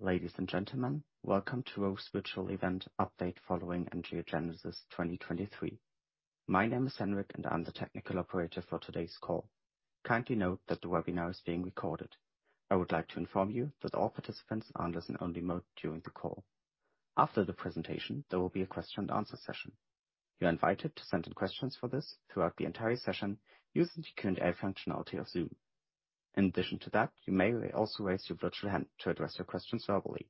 Ladies and gentlemen, welcome to Roche Virtual Event Update following Angiogenesis 2023. My name is Henrik, and I'm the technical operator for today's call. Kindly note that the webinar is being recorded. I would like to inform you that all participants are in listen-only mode during the call. After the presentation, there will be a question and answer session. You're invited to send in questions for this throughout the entire session using the Q&A functionality of Zoom. In addition to that, you may also raise your virtual hand to address your questions verbally.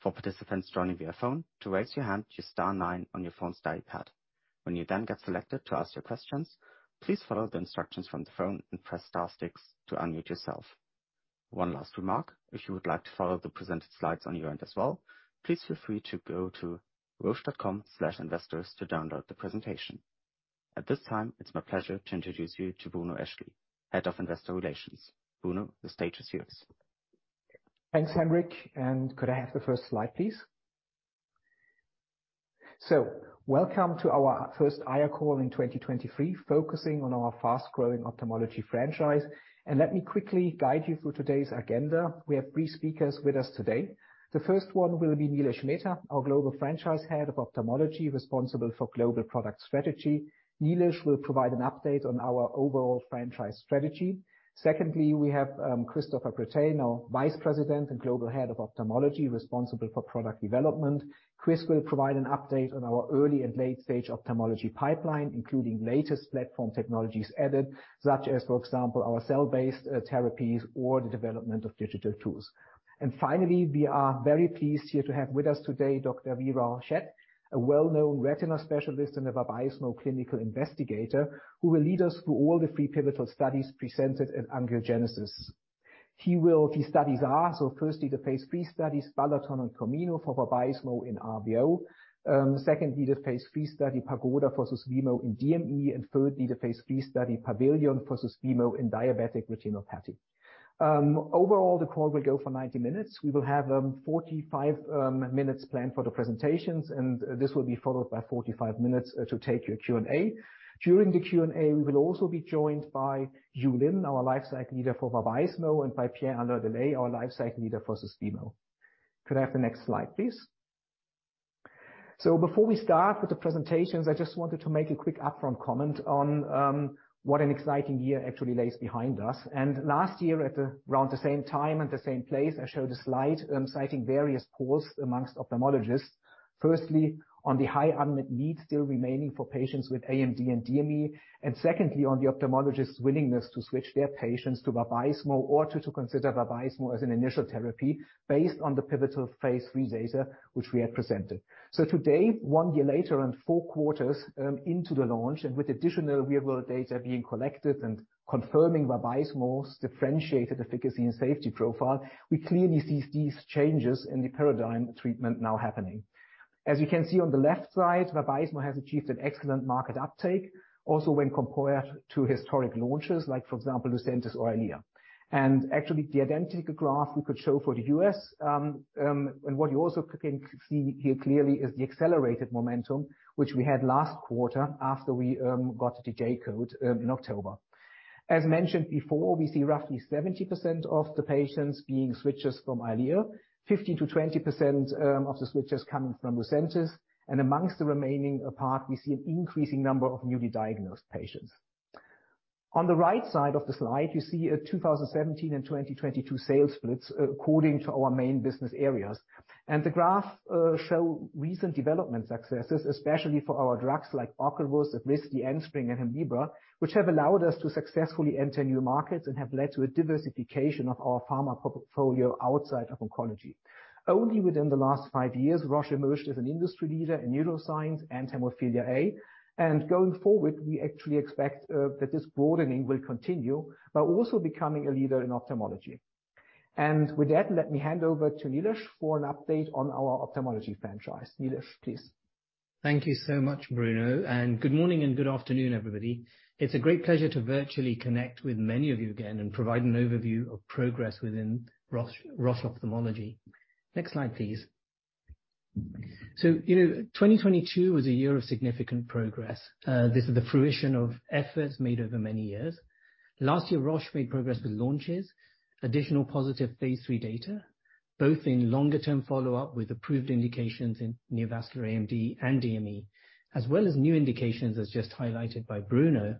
For participants joining via phone, to raise your hand, use star nine on your phone's dial pad. When you then get selected to ask your questions, please follow the instructions from the phone and press star six to unmute yourself. One last remark, if you would like to follow the presented slides on your end as well, please feel free to go to roche.com/investors to download the presentation. At this time, it's my pleasure to introduce you to Bruno Eschli, Head of Investor Relations. Bruno, the stage is yours. Thanks, Henrik, could I have the first slide, please? Welcome to our first IR call in 2023, focusing on our fast-growing ophthalmology franchise, and let me quickly guide you through today's agenda. We have three speakers with us today. The first one will be Nilesh Mehta, our Global Franchise Head of Ophthalmology, responsible for global product strategy. Nilesh will provide an update on our overall franchise strategy. Secondly, we have Christopher Brittain, our Vice President and Global Head of Ophthalmology, responsible for product development. Chris will provide an update on our early and late-stage ophthalmology pipeline, including latest platform technologies added, such as, for example, our cell-based therapies or the development of digital tools. Finally, we are very pleased here to have with us today Dr. Veeral Sheth, a well-known retina specialist and a Vabysmo clinical investigator who will lead us through all the 3 pivotal studies presented in angiogenesis. The studies are, firstly, the phase III study, BALATON and COMINO for Vabysmo in RVO. Secondly, the phase III study, Pagoda for Susvimo in DME. Thirdly, the phase III study, Pavilion for Susvimo in diabetic retinopathy. Overall, the call will go for 90 minutes. We will have 45 minutes planned for the presentations, and this will be followed by 45 minutes to take your Q&A. During the Q&A, we will also be joined by Yu Lin, our lifecycle leader for Vabysmo, and by Pierre-André Delay, our lifecycle leader for Susvimo. Could I have the next slide, please? Before we start with the presentations, I just wanted to make a quick upfront comment on what an exciting year actually lays behind us. Last year, at around the same time and the same place, I showed a slide citing various polls amongst ophthalmologists. Firstly, on the high unmet need still remaining for patients with AMD and DME. Secondly, on the ophthalmologist's willingness to switch their patients to Vabysmo or to consider Vabysmo as an initial therapy based on the pivotal phase III data which we had presented. Today, one year later and four quarters into the launch, and with additional real-world data being collected and confirming Vabysmo's differentiated efficacy and safety profile, we clearly see these changes in the paradigm of treatment now happening. As you can see on the left side, Vabysmo has achieved an excellent market uptake, also when compared to historic launches like, for example, Lucentis orEYLEA. Actually, the identical graph we could show for the U.S., and what you also can see here clearly is the accelerated momentum which we had last quarter after we got the J code in October. As mentioned before, we see roughly 70% of the patients being switchers from Eylea. 50%-20% of the switchers coming from Lucentis. Amongst the remaining part, we see an increasing number of newly diagnosed patients. On the right side of the slide, you see a 2017 and 2022 sales splits according to our main business areas. The graph show recent development successes, especially for our drugs like Ocrevus, Evrysdi, Enspryng, and Hemlibra, which have allowed us to successfully enter new markets and have led to a diversification of our pharma portfolio outside of oncology. Only within the last five years, Roche emerged as an industry leader in neuroscience and hemophilia A. Going forward, we actually expect that this broadening will continue by also becoming a leader in ophthalmology. With that, let me hand over to Nilesh for an update on our ophthalmology franchise. Nilesh, please. Thank you so much, Bruno. Good morning and good afternoon, everybody. It's a great pleasure to virtually connect with many of you again and provide an overview of progress within Roche Ophthalmology. Next slide, please. You know, 2022 was a year of significant progress. This is the fruition of efforts made over many years. Last year, Roche made progress with launches, additional positive phase III data, both in longer term follow-up with approved indications in neovascular AMD and DME, as well as new indications, as just highlighted by Bruno.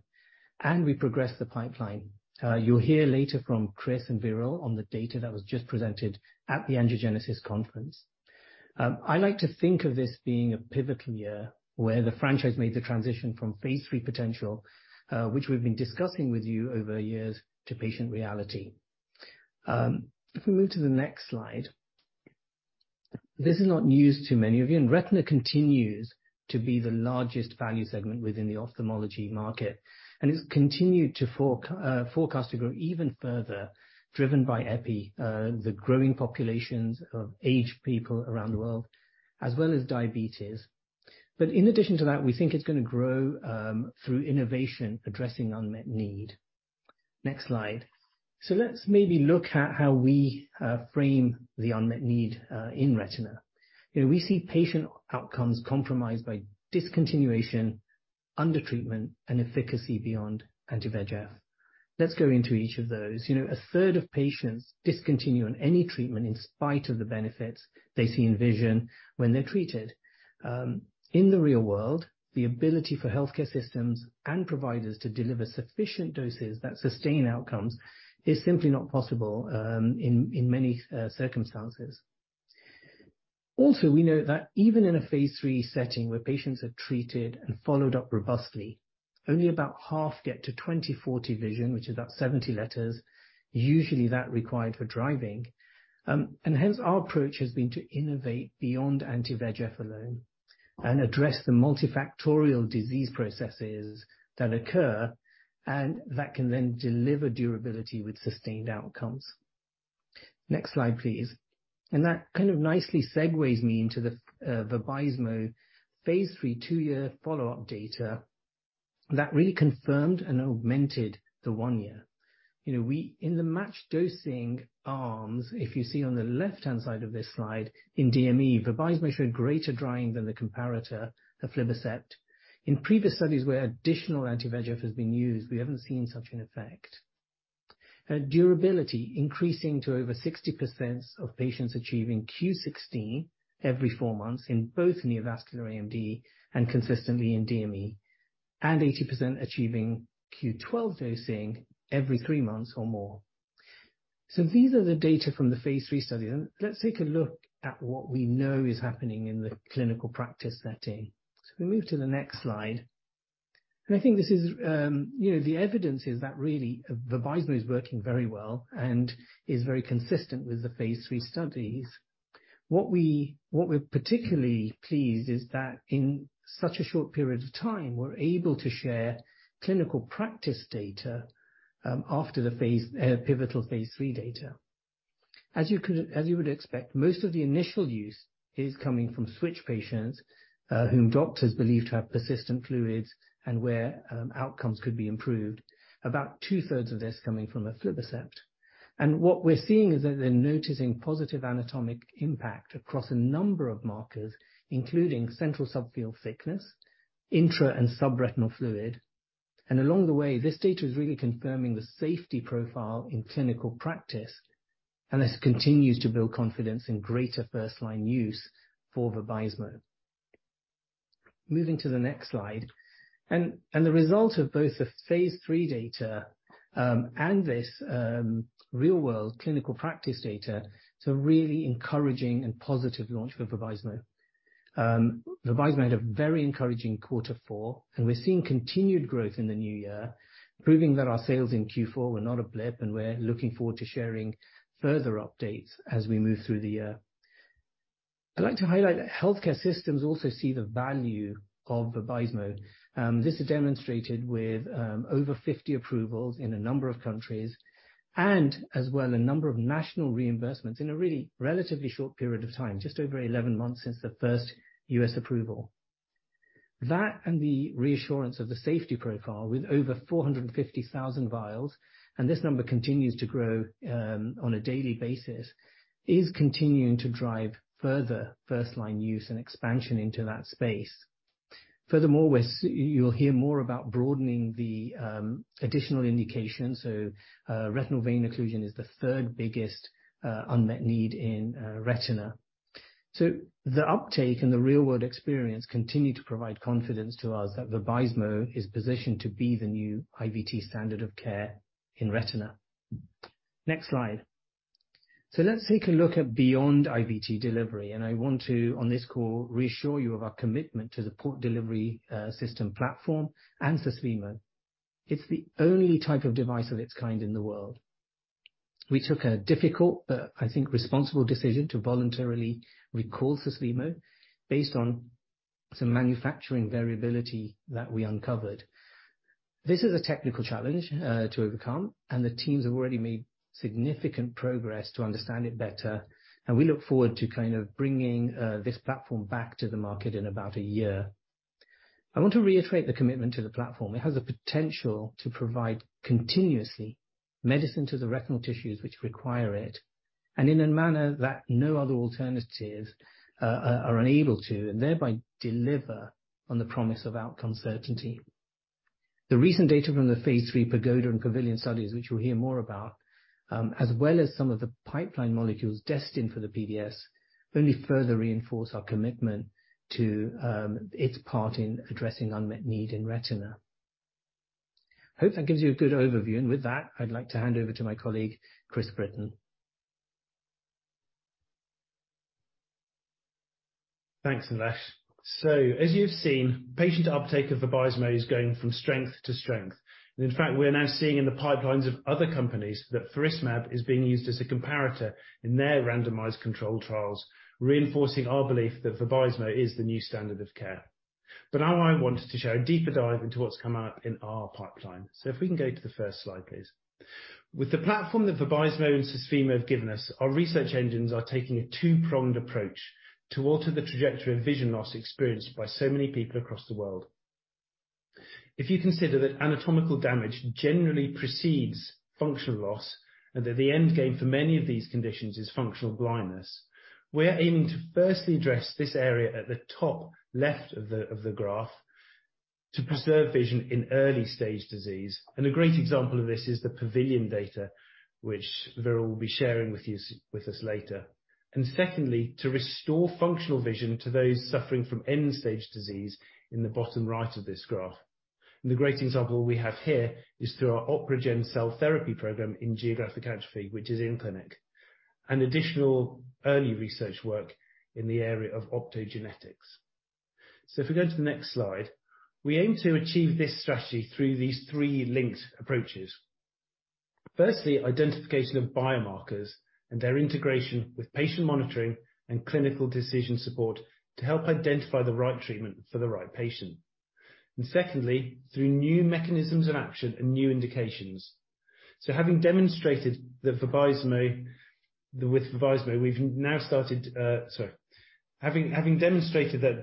We progressed the pipeline. You'll hear later from Chris and Viral on the data that was just presented at the Angiogenesis conference. I like to think of this being a pivotal year where the franchise made the transition from phase III potential, which we've been discussing with you over years, to patient reality. If we move to the next slide. This is not news to many of you. Retina continues to be the largest value segment within the ophthalmology market. It's continued to forecast to grow even further, driven by EPI, the growing populations of aged people around the world, as well as diabetes. In addition to that, we think it's gonna grow through innovation, addressing unmet need. Next slide. Let's maybe look at how we frame the unmet need in retina. You know, we see patient outcomes compromised by discontinuation, undertreatment, and efficacy beyond anti-VEGF. Let's go into each of those. You know, a third of patients discontinue on any treatment in spite of the benefits they see in vision when they're treated. In the real world, the ability for healthcare systems and providers to deliver sufficient doses that sustain outcomes is simply not possible, in many circumstances. Also, we know that even in a phase III setting where patients are treated and followed up robustly, only about half get to 20/40 vision, which is about 70 letters, usually that required for driving. Hence our approach has been to innovate beyond anti-VEGF alone and address the multifactorial disease processes that occur and that can then deliver durability with sustained outcomes. Next slide, please. That kind of nicely segues me into the Vabysmo phase III, two-year follow-up data that really confirmed and augmented the one year. You know, in the matched dosing arms, if you see on the left-hand side of this slide, in DME, Vabysmo showed greater drying than the comparator, Aflibercept. In previous studies where additional anti-VEGF has been used, we haven't seen such an effect. Durability increasing to over 60% of patients achieving Q16 every 4 months in both neovascular AMD and consistently in DME, and 80% achieving Q12 dosing every 3 months or more. These are the data from the phase III study. Let's take a look at what we know is happening in the clinical practice setting. We move to the next slide. I think this is, you know, the evidence is that really Vabysmo is working very well and is very consistent with the phase III studies. What we're particularly pleased is that in such a short period of time, we're able to share clinical practice data after the pivotal phase III data. As you could, as you would expect, most of the initial use is coming from switch patients whom doctors believe to have persistent fluids and where outcomes could be improved. About two-thirds of this coming from aflibercept. What we're seeing is that they're noticing positive anatomic impact across a number of markers, including central subfield thickness, intra and subretinal fluid. Along the way, this data is really confirming the safety profile in clinical practice, and this continues to build confidence in greater first-line use for Vabysmo. Moving to the next slide. The result of both the Phase III data and this real-world clinical practice data is a really encouraging and positive launch for Vabysmo. Vabysmo had a very encouraging quarter four, and we're seeing continued growth in the new year, proving that our sales in Q4 were not a blip, and we're looking forward to sharing further updates as we move through the year. I'd like to highlight that healthcare systems also see the value of Vabysmo. This is demonstrated with over 50 approvals in a number of countries, and as well, a number of national reimbursements in a really relatively short period of time, just over 11 months since the first U.S. approval. That and the reassurance of the safety profile with over 450,000 vials, and this number continues to grow on a daily basis, is continuing to drive further first line use and expansion into that space. You'll hear more about broadening the additional indications. Retinal vein occlusion is the third biggest unmet need in retina. The uptake and the real-world experience continue to provide confidence to us that Vabysmo is positioned to be the new IVT standard of care in retina. Next slide. Let's take a look at beyond IVT delivery. I want to, on this call, reassure you of our commitment to the Port Delivery System platform and Susvimo. It's the only type of device of its kind in the world. We took a difficult but, I think, responsible decision to voluntarily recall Susvimo based on some manufacturing variability that we uncovered. This is a technical challenge to overcome, and the teams have already made significant progress to understand it better, and we look forward to kind of bringing this platform back to the market in about a year. I want to reiterate the commitment to the platform. It has the potential to provide continuously medicine to the retinal tissues which require it and in a manner that no other alternatives are unable to, and thereby deliver on the promise of outcome certainty. The recent data from the phase III Pagoda and Pavilion studies, which we'll hear more about, as well as some of the pipeline molecules destined for the PDS, only further reinforce our commitment to its part in addressing unmet need in retina. Hope that gives you a good overview. With that, I'd like to hand over to my colleague, Chris Brittain. Thanks, Nilesh. As you've seen, patient uptake of Vabysmo is going from strength to strength. In fact, we're now seeing in the pipelines of other comanies that Faricimab is being used as a comparator in their randomized controlled trials, reinforcing our belief that Vabysmo is the new standard of care. Now I wanted to share a deeper dive into what's come out in our pipeline. If we can go to the first slide, please. With the platform that Vabysmo and Susvimo have given us, our research engines are taking a two-pronged approach to alter the trajectory of vision loss experienced by so many people across the world. If you consider that anatomical damage generally precedes functional loss, and that the end game for many of these conditions is functional blindness. We're aiming to firstly address this area at the top left of the graph to preserve vision in early-stage disease. A great example of this is the Pavilion data, which Veeral will be sharing with us later. Secondly, to restore functional vision to those suffering from end-stage disease in the bottom right of this graph. The great example we have here is through our OpRegen cell therapy program in geographic atrophy, which is in clinic. Additional early research work in the area of optogenetics. If we go to the next slide. We aim to achieve this strategy through these three linked approaches. Firstly, identification of biomarkers and their integration with patient monitoring and clinical decision support to help identify the right treatment for the right patient. Secondly, through new mechanisms and action and new indications. Sorry. Having demonstrated that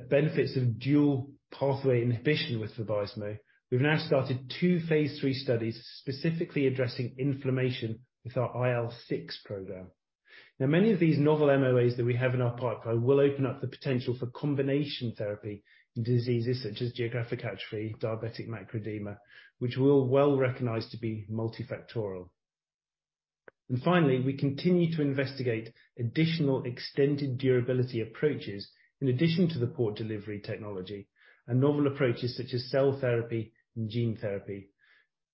benefits of dual pathway inhibition with Vabysmo, we've now started 2 phase III studies specifically addressing inflammation with our IL-6 program. Many of these novel MOAs that we have in our pipeline will open up the potential for combination therapy in diseases such as geographic atrophy, diabetic macular edema, which we all well recognize to be multifactorial. Finally, we continue to investigate additional extended durability approaches in addition to the Port Delivery technology and novel approaches such as cell therapy and gene therapy.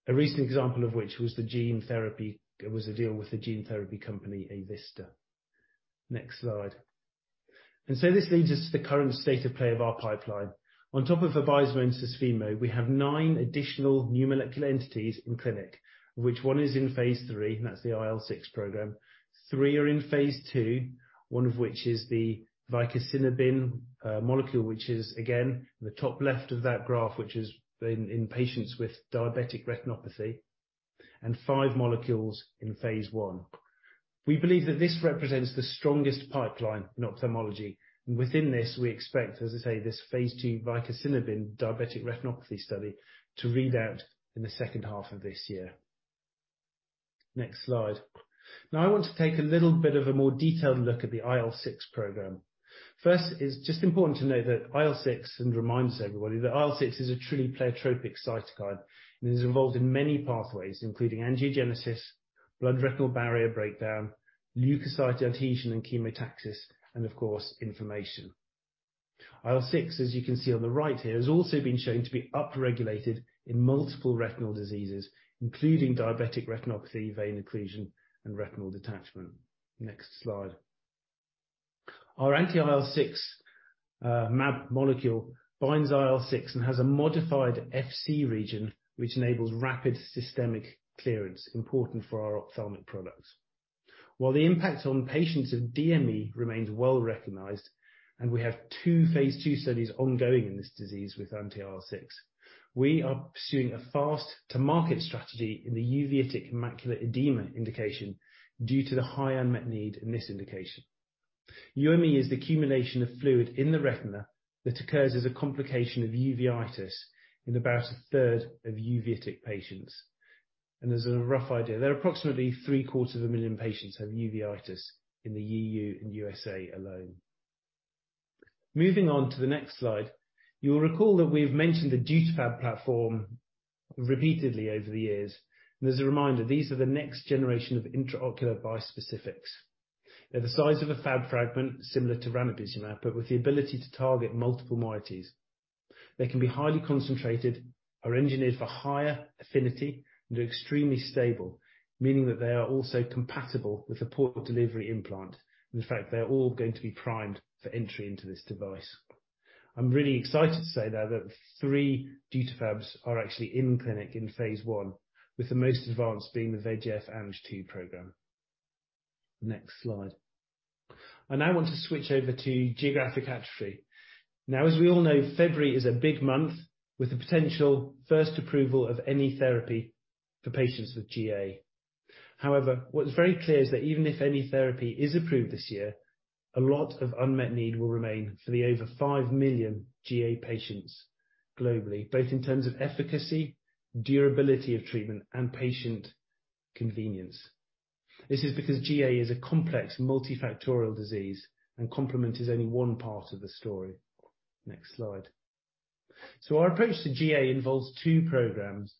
A recent example of which was the gene therapy was the deal with the gene therapy company, Avista. Next slide. This leads us to the current state of play of our pipeline. On top of Vabysmo and Susvimo, we have 9 additional new molecular entities in clinic, which 1 is in phase III, and that's the IL-6 program. 3 are in phase II, 1 of which is the vicasinabin molecule, which is again, in the top left of that graph, which is in patients with diabetic retinopathy, and 5 molecules in phase I. We believe that this represents the strongest pipeline in ophthalmology. Within this, we expect, as I say, this phase II vicasinabin diabetic retinopathy study to read out in the second half of this year. Next slide. I want to take a little bit of a more detailed look at the IL-6 program. It's just important to know that IL-6, and remind everybody, that IL-6 is a truly pleiotropic cytokine and is involved in many pathways, including angiogenesis, blood retinal barrier breakdown, leukocyte adhesion and chemotaxis, and of course, inflammation. IL-6, as you can see on the right here, has also been shown to be upregulated in multiple retinal diseases, including diabetic retinopathy, vein occlusion, and retinal detachment. Next slide. Our anti-IL-6 mab molecule binds IL-6 and has a modified Fc region which enables rapid systemic clearance, important for our ophthalmic products. While the impact on patients of DME remains well-recognized, and we have 2 phase II studies ongoing in this disease with anti-IL-6, we are pursuing a fast to market strategy in the uveitic macular edema indication due to the high unmet need in this indication. UME is the accumulation of fluid in the retina that occurs as a complication of uveitis in about a third of uveitic patients. As a rough idea, there are approximately three-quarters of a million patients who have uveitis in the E.U. and U.S.A. alone. Moving on to the next slide. You will recall that we've mentioned the DutaFab platform repeatedly over the years. As a reminder, these are the next generation of intraocular bispecifics. They're the size of a Fab fragment similar to ranibizumab, but with the ability to target multiple moieties. They can be highly concentrated, are engineered for higher affinity, and are extremely stable, meaning that they are also compatible with a Port Delivery System implant. In fact, they're all going to be primed for entry into this device. I'm really excited to say, though, that 3 DutaFabs are actually in clinic in phase I, with the most advanced being the VEGF Ang-2 program. Next slide. I now want to switch over to geographic atrophy. As we all know, February is a big month with the potential first approval of any therapy for patients with GA. What's very clear is that even if any therapy is approved this year, a lot of unmet need will remain for the over 5 million GA patients globally, both in terms of efficacy, durability of treatment, and patient convenience. This is because GA is a complex multifactorial disease, and complement is only one part of the story. Next slide. Our approach to GA involves 2 programs.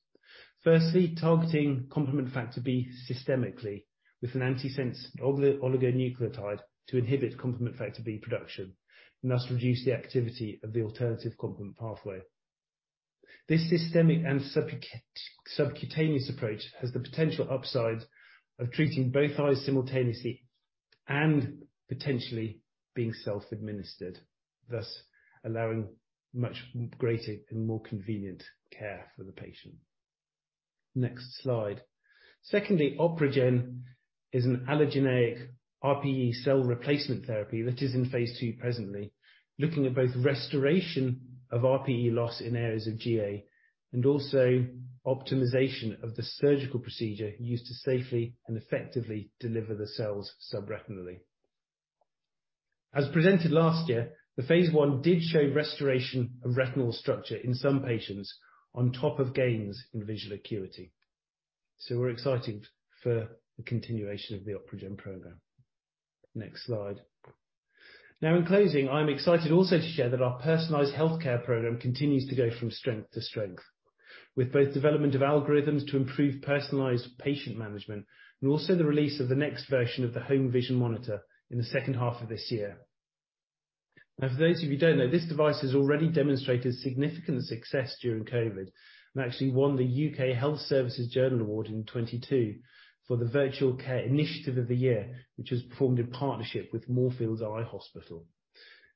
Firstly, targeting complement factor B systemically with an antisense oligonucleotide to inhibit complement factor B production, and thus reduce the activity of the alternative complement pathway. This systemic and subcutaneous approach has the potential upside of treating both eyes simultaneously and potentially being self-administered, thus allowing much greater and more convenient care for the patient. Next slide. Secondly, OpRegen is an allogeneic RPE cell replacement therapy that is in phase II presently, looking at both restoration of RPE loss in areas of GA and also optimization of the surgical procedure used to safely and effectively deliver the cells subretinally. As presented last year, the phase I did show restoration of retinal structure in some patients on top of gains in visual acuity. We're excited for the continuation of the OpRegen program. Next slide. In closing, I'm excited also to share that our Personalized Healthcare program continues to go from strength to strength, with both development of algorithms to improve personalized patient management and also the release of the next version of the Home Vision Monitor in the second half of this year. For those of you who don't know, this device has already demonstrated significant success during COVID and actually won the U.K. Health Services Journal Award in 2022 for the Virtual Care Initiative of the Year, which was formed in partnership with Moorfields Eye Hospital.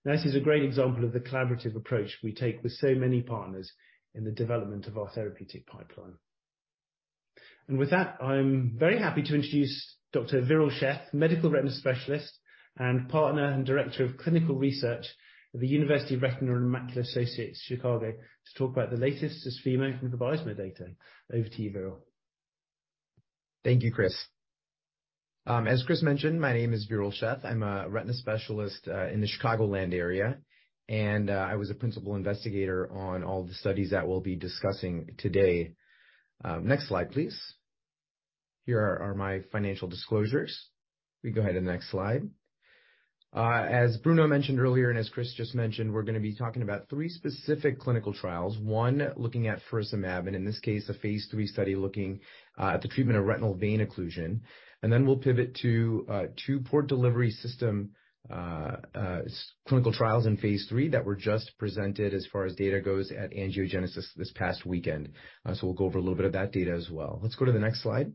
This is a great example of the collaborative approach we take with so many partners in the development of our therapeutic pipeline. With that, I'm very happy to introduce Dr. Veeral Sheth, medical retina specialist and Partner and Director of Clinical Research at the University of Retina and Macular Associates, Chicago, to talk about the latest Susvimo and Vabysmo data. Over to you, Viral. Thank you, Chris. As Chris mentioned, my name is Veeral Sheth. I'm a retina specialist in the Chicagoland area, I was a principal investigator on all the studies that we'll be discussing today. Next slide, please. Here are my financial disclosures. We can go ahead to the next slide. As Bruno mentioned earlier, as Chris just mentioned, we're gonna be talking about 3 specific clinical trials. One, looking at faricimab, in this case, a phase III study looking at the treatment of retinal vein occlusion. We'll pivot to 2 Port Delivery System clinical trials in phase II that were just presented as far as data goes at Angiogenesis this past weekend. We'll go over a little bit of that data as well. Let's go to the next slide.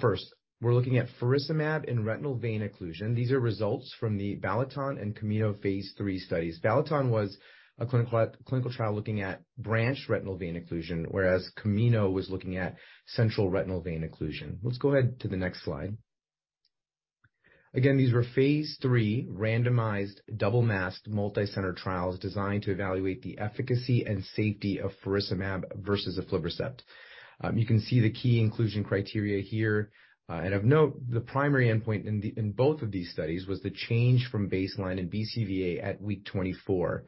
First, we're looking at Faricimab in retinal vein occlusion. These are results from the BALATON and COMINO phase III studies. BALATON was a clinical trial looking at branch retinal vein occlusion, whereas COMINO was looking at central retinal vein occlusion. Let's go ahead to the next slide. These were phase III randomized, double masked, multi-center trials designed to evaluate the efficacy and safety of Faricimab versus aflibercept. You can see the key inclusion criteria here. And of note, the primary endpoint in both of these studies was the change from baseline in BCVA at week 24.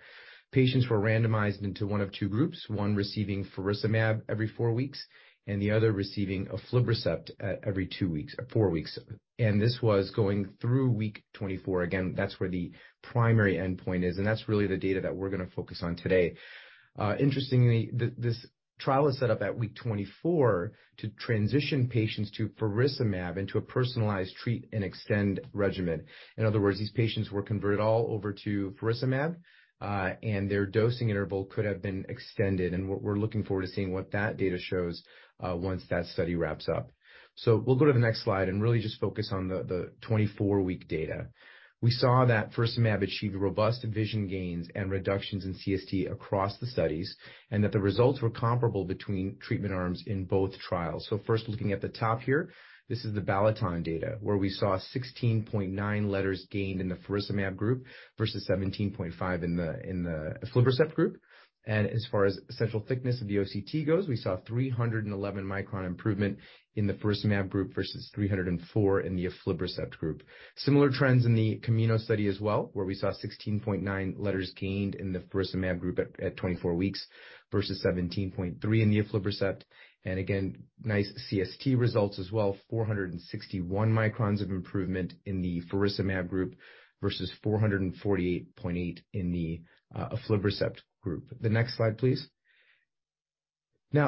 Patients were randomized into one of 2 groups, one receiving Faricimab every 4 weeks and the other receiving aflibercept every 4 weeks. This was going through week 24. That's where the primary endpoint is, and that's really the data that we're gonna focus on today. Interestingly, this trial is set up at week 24 to transition patients to Faricimab into a personalized treat and extend regimen. In other words, these patients were converted all over to Faricimab, and their dosing interval could have been extended, and we're looking forward to seeing what that data shows once that study wraps up. We'll go to the next slide and really just focus on the 24 week data. We saw that Faricimab achieved robust vision gains and reductions in CST across the studies, and that the results were comparable between treatment arms in both trials. First looking at the top here, this is the BALATON data where we saw 16.9 letters gained in the Faricimab Group versus 17.5 in the Aflibercept Group. As far as central thickness of the OCT goes, we saw 311 micron improvement in the Faricimab Group versus 304 in the aflibercept group. Similar trends in the CAMINO study as well, where we saw 16.9 letters gained in the Faricimab Group at 24 weeks versus 17.3 in the aflibercept. Again, nice CST results as well, 461 microns of improvement in the Faricimab Group vArsus 448.8 in the Aflibercept Group. The next slide, please.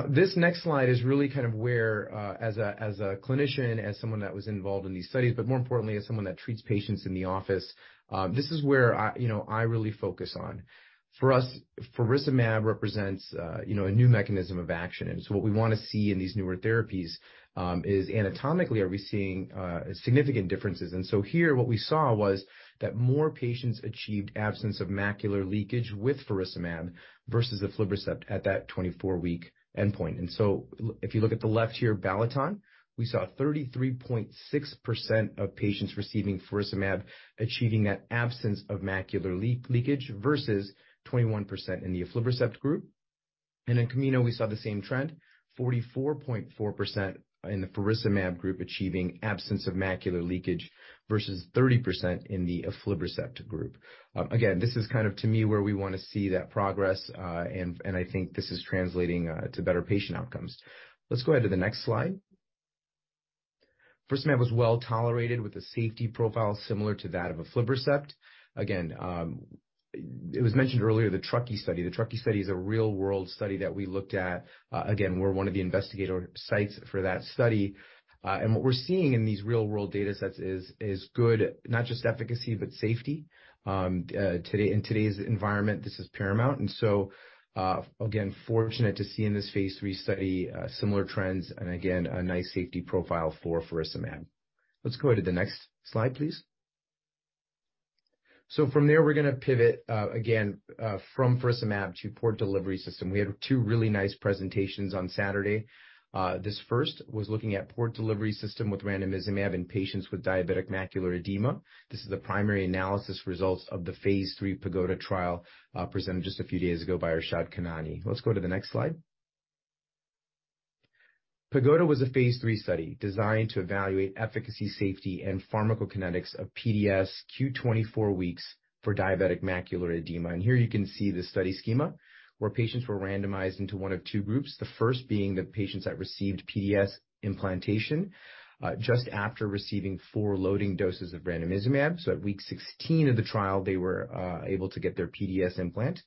This next slide is really kind of where, as a, as a clinician, as someone that was involved in these studies, but more importantly, as someone that treats patients in the office, this is where I, you know, I really focus on. For us, Faricimab represents, you know, a new mechanism of action. What we wanna see in these newer therapies, is anatomically, are we seeing significant differences? Here what we saw was that more patients achieved absence of macular leakage with Faricimab versus Aflibercept at that 24-week endpoint. If you look at the left here, BALATON, we saw 33.6% of patients receiving Faricimab achieving that absence of macular leakage versus 21% in the Aflibercept Group. In COMINO, we saw the same trend, 44.4% in the Faricimab Group achieving absence of macular leakage versus 30% in the Aflibercept Group. Again, this is kind of to me where we wanna see that progress, and I think this is translating to better patient outcomes. Let's go ahead to the next slide. Faricimab was well tolerated with a safety profile similar to that of Aflibercept. Again, it was mentioned earlier, the TRUCKEE study. The TRUCKEE study is a real-world study that we looked at. Again, we're one of the investigator sites for that study. And what we're seeing in these real-world datasets is good, not just efficacy, but safety. In today's environment, this is paramount. Again, fortunate to see in this Phase III study, similar trends, and again, a nice safety profile for Faricimab. Let's go to the next slide, please. From there, we're gonna pivot again from Faricimab to Port Delivery System. We had two really nice presentations on Saturday. This first was looking at Port Delivery System with ranibizumab in patients with diabetic macular edema. This is the primary analysis results of the Phase III PAGODA trial, presented just a few days ago by Arshad Khanani. Let's go to the next slide. PAGODA was a Phase III study designed to evaluate efficacy, safety, and pharmacokinetics of PDS Q24 weeks for diabetic macular edema. Here you can see the study schema where patients were randomized into 1 of 2 groups, the first being the patients that received PDS implantation, just after receiving 4 loading doses of ranibizumab. At week 16 of the trial, they were able to get their PDS implant,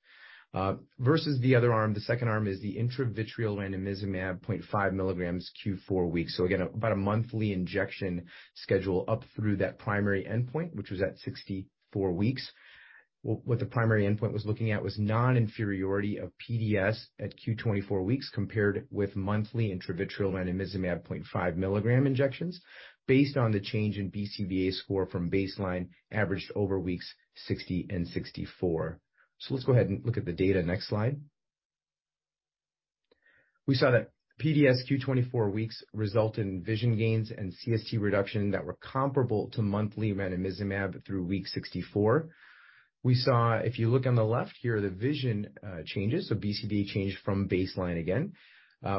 versus the other arm. The second arm is the intravitreal ranibizumab 0.5 mg Q4 weeks. Again, about a monthly injection schedule up through that primary endpoint, which was at 64 weeks. What the primary endpoint was looking at was non-inferiority of PDS at Q24 weeks compared with monthly intravitreal ranibizumab 0.5 milligram injections based on the change in BCVA score from baseline averaged over weeks 60 and 64. Let's go ahead and look at the data. Next slide. We saw that PDS Q24 weeks result in vision gains and CST reduction that were comparable to monthly ranibizumab through week 64. If you look on the left here, the vision changes, so BCVA changed from baseline again.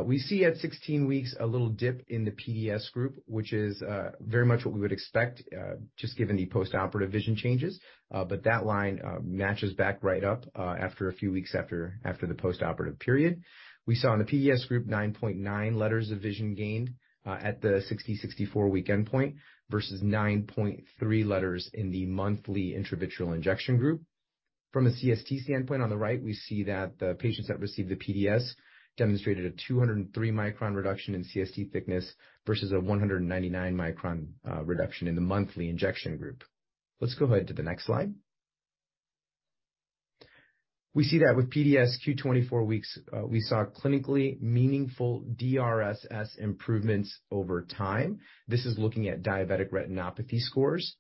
We see at 16 weeks a little dip in the PDS group, which is very much what we would expect, just given the postoperative vision changes. That line matches back right up after a few weeks after the postoperative period. We saw in the PDS group 9.9 letters of vision gained at the 64-week endpoint versus 9.3 letters in the monthly intravitreal injection group. From a CST standpoint, on the right we see that the patients that received the PDS demonstrated a 203 micron reduction in CST thickness versus a 199 micron reduction in the monthly injection group. Let's go ahead to the next slide. We see that with PDS Q24 weeks, we saw clinically meaningful DRSS improvements over time. This is looking at diabetic retinopathy scores.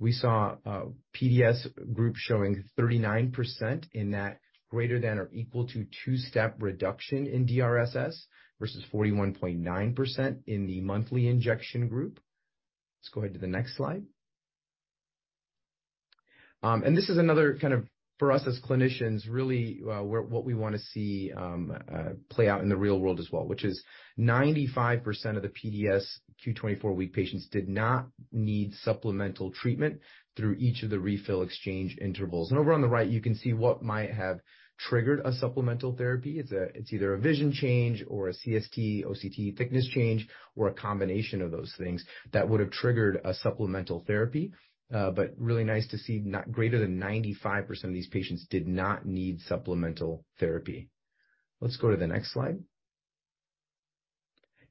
We saw a PDS group showing 39% in that greater than or equal to 2-step reduction in DRSS versus 41.9% in the monthly injection group. Let's go ahead to the next slide. This is another kind of for us as clinicians, really, where what we want to see play out in the real world as well, which is 95% of the PDS Q24 week patients did not need supplemental treatment through each of the refill exchange intervals. Over on the right you can see what might have triggered a supplemental therapy. It's either a vision change or a CST OCT thickness change or a combination of those things that would have triggered a supplemental therapy. Really nice to see not greater than 95% of these patients did not need supplemental therapy. Let's go to the next slide.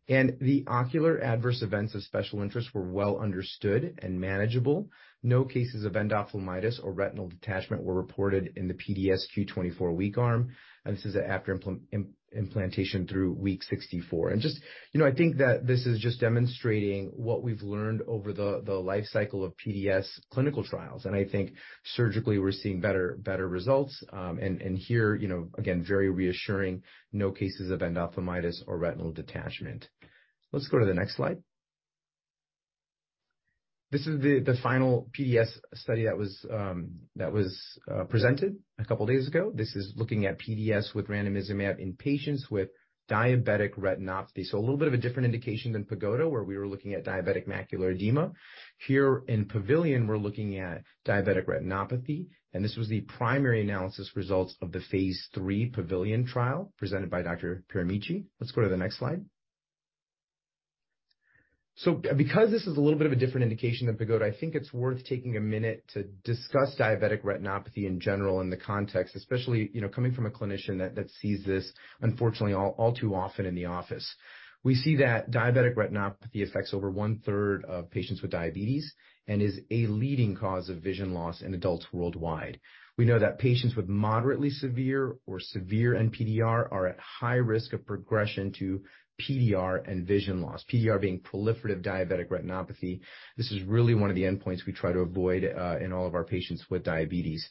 The ocular adverse events of special interest were well understood and manageable. No cases of endophthalmitis or retinal detachment were reported in the PDS Q24 week arm. This is after implantation through week 64. Just, you know, I think that this is just demonstrating what we've learned over the life cycle of PDS clinical trials. I think surgically we're seeing better results. Here, you know, again, very reassuring, no cases of endophthalmitis or retinal detachment. Let's go to the next slide. This is the final PDS study that was presented a couple days ago. This is looking at PDS with ranibizumab in patients with diabetic retinopathy. A little bit of a different indication than Pagoda, where we were looking at diabetic macular edema. Here in Pavilion, we're looking at diabetic retinopathy. This was the primary analysis results of the phase III Pavilion trial presented by Dr. Pieramici. Let's go to the next slide. Because this is a little bit of a different indication than Pagoda, I think it's worth taking a minute to discuss diabetic retinopathy in general in the context, especially, you know, coming from a clinician that sees this unfortunately too often in the office. We seeI that diabetic retinopathy affects over one-third of patients with diabetes and is a leading cause of vision loss in adults worldwide. We know that patients with moderately severe or severe NPDR are at high risk of progression to PDR and vision loss, PDR being proliferative diabetic retinopathy. This is really one of the endpoints we try to avoid in all of our patients with diabetes.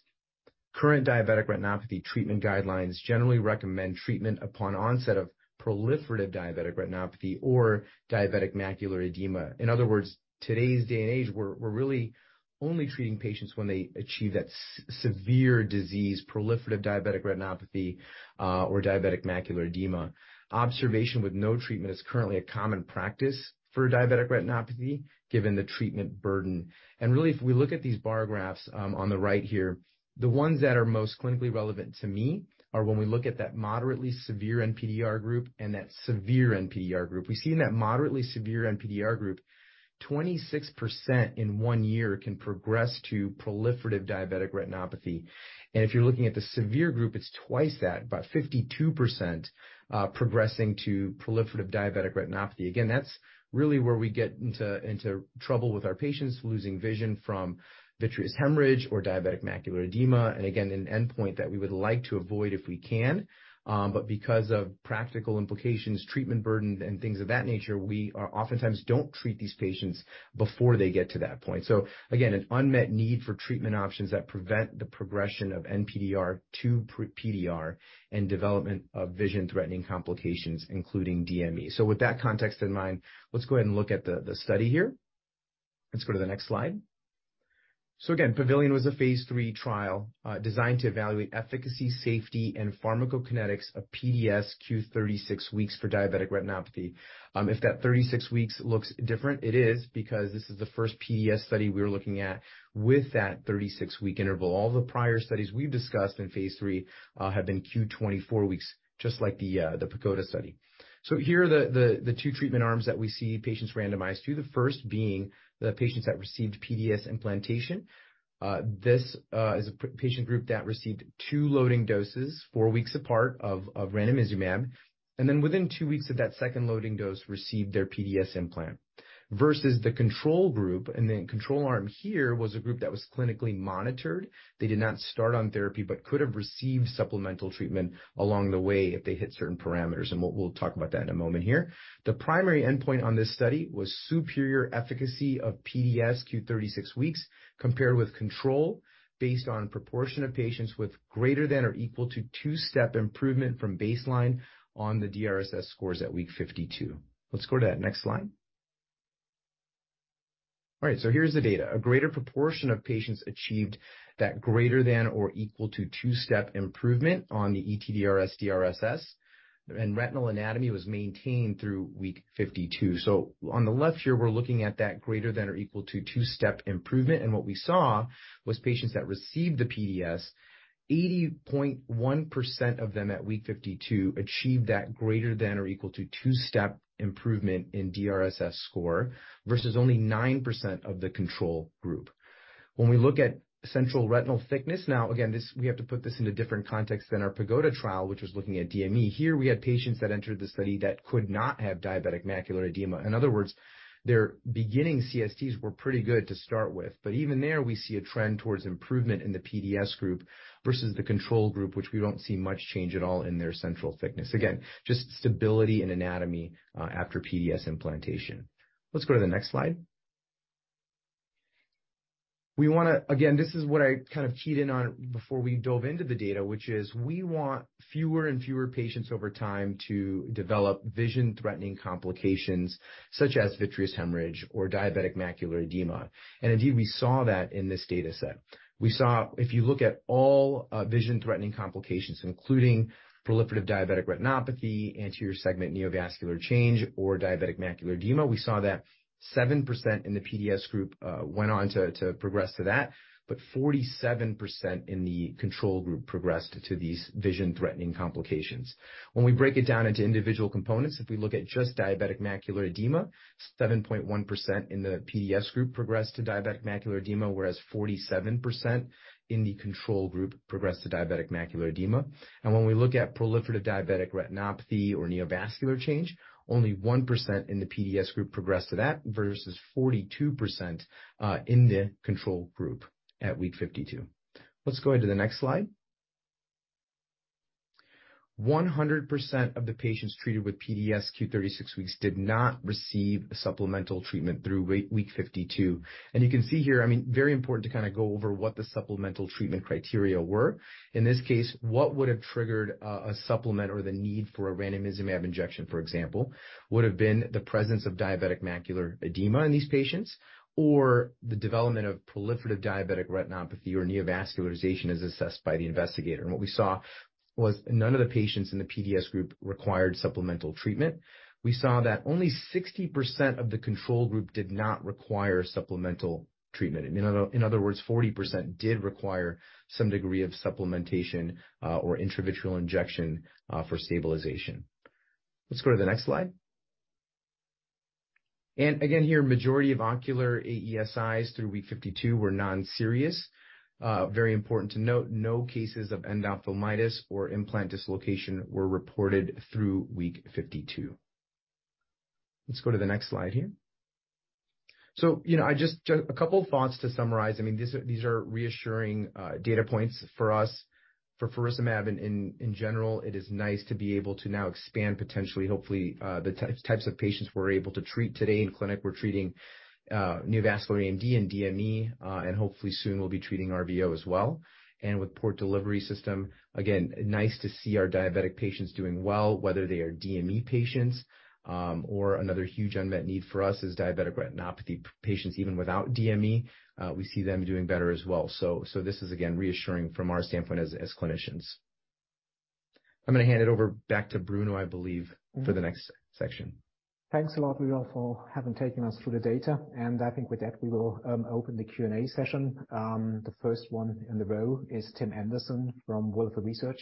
Current diabetic retinopathy treatment guidelines generally recommend treatment upon onset of proliferative diabetic retinopathy or diabetic macular edema. In other words, today's day and age, we're really only treating patients when they achieve that severe disease, proliferative diabetic retinopathy, or diabetic macular edema. Observation with no treatment is currently a common practice for diabetic retinopathy, given the treatment burden. Really, if we look at these bar graphs, on the right here, the ones that are most clinically relevant to me are when we look at that moderately severe NPDR group and that severe NPDR group. We see in that moderately severe NPDR group, 26% in one year can progress to proliferative diabetic retinopathy. If you're looking at the severe group, it's twice that, about 52%, progressing to proliferative diabetic retinopathy. That's really where we get into trouble with our patients losing vision from vitreous hemorrhage or diabetic macular edema and, again, an endpoint that we would like to avoid if we can. Because of practical implications, treatment burden, and things of that nature, oftentimes don't treat these patients before they get to that point. Again, an unmet need for treatment options that prevent the progression of NPDR to PDR and development of vision-threatening complications, including DME. With that context in mind, let's go ahead and look at the study here. Let's go to the next slide. Again, Pavilion was a phase III trial, designed to evaluate efficacy, safety, and pharmacokinetics of PDS q 36 weeks for diabetic retinopathy. If that 36 weeks looks different, it is because this is the first PDS study we are looking at with that 36-week interval. All the prior studies we've discussed in phase III have been Q24 weeks, just like the Pagoda study. Here are the two treatment arms that we see patients randomized to, the first being the patients that received PDS implantation. This is a patient group that received two loading doses, four weeks apart of ranibizumab, then within two weeks of that second loading dose, received their PDS implant. Versus the control group, the control arm here was a group that was clinically monitored. They did not start on therapy, could have received supplemental treatment along the way if they hit certain parameters. We'll talk about that in a moment here. The primary endpoint on this study was superior efficacy of PDS q36 weeks compared with control based on proportion of patients with greater than or equal to 2-step improvement from baseline on the DRSS scores at week 52. Let's go to that next slide. All right, here's the data. A greater proportion of patients achieved that greater than or equal to 2-step improvement on the ETDRS DRSS, and retinal anatomy was maintained through week 52. On the left here, we're looking at that greater than or equal to 2-step improvement, and what we saw was patients that received the PDS, 80.1% of them at week 52 achieved that greater than or equal to 2-step improvement in DRSS score versus only 9% of the control group. When we look at central retinal thickness, now again, we have to put this into different context than our Pagoda trial, which was looking at DME. Here we had patients that entered the study that could not have diabetic macular edema. In other words, their beginning CSTs were pretty good to start with. Even there, we see a trend towards improvement in the PDS group versus the control group, which we don't see much change at all in their central thickness. Again, just stability in anatomy after PDS implantation. Let's go to the next slide. Again, this is what I kind of keyed in on before we dove into the data, which is we want fewer and fewer patients over time to develop vision-threatening complications such as vitreous hemorrhage or diabetic macular edema. Indeed, we saw that in this data set. We saw if you look at all vision-threatening complications, including proliferative diabetic retinopathy, anterior segment neovascular change, or diabetic macular edema, we saw that 7% in the PDS group went on to progress to that. 47% in the control group progressed to these vision-threatening complications. When we break it down into individual components, if we look at just diabetic macular edema, 7.1% in the PDS group progressed to diabetic macular edema, whereas 47% in the control group progressed to diabetic macular edema. When we look at proliferative diabetic retinopathy or neovascular change, only 1% in the PDS group progressed to that versus 42% in the control group at week 52. Let's go ahead to the next slide. 100% of the patients treated with PDS Q36 weeks did not receive supplemental treatment through week 52. You can see here, I mean, very important to kind of go over what the supplemental treatment criteria were. In this case, what would have triggered a supplement or the need for a ranibizumab injection, for example, would have been the presence of diabetic macular edema in these patients or the development of proliferative diabetic retinopathy or neovascularization as assessed by the investigator. What we saw was none of the patients in the PDS group required supplemental treatment. We saw that only 60% of the control group did not require supplemental treatment. In other words, 40% did require some degree of supplementation, or intravitreal injection, for stabilization. Let's go to the next slide. Again, here, majority of ocular AESIs through week 52 were non-serious. Very important to note, no cases of endophthalmitis or implant dislocation were reported through week 52. Let's go to the next slide here. You know, a couple thoughts to summarize. I mean, these are reassuring data points for us. For faricimab in general, it is nice to be able to now expand potentially, hopefully, the types of patients we're able to treat today in clinic. We're treating neovascular AMD and DME, and hopefully soon we'll be treating RVO as well. With Port Delivery System, again, nice to see our diabetic patients doing well, whether they are DME patients, or another huge unmet need for us is diabetic retinopathy patients even without DME. We see them doing better as well. This is again reassuring from our standpoint as clinicians. I'm gonna hand it over back to Bruno, I believe, for the next section. Thanks a lot, Leo, for having taken us through the data. I think with that, we will open the Q&A session. The first one in the row is Tim Anderson from William Blair.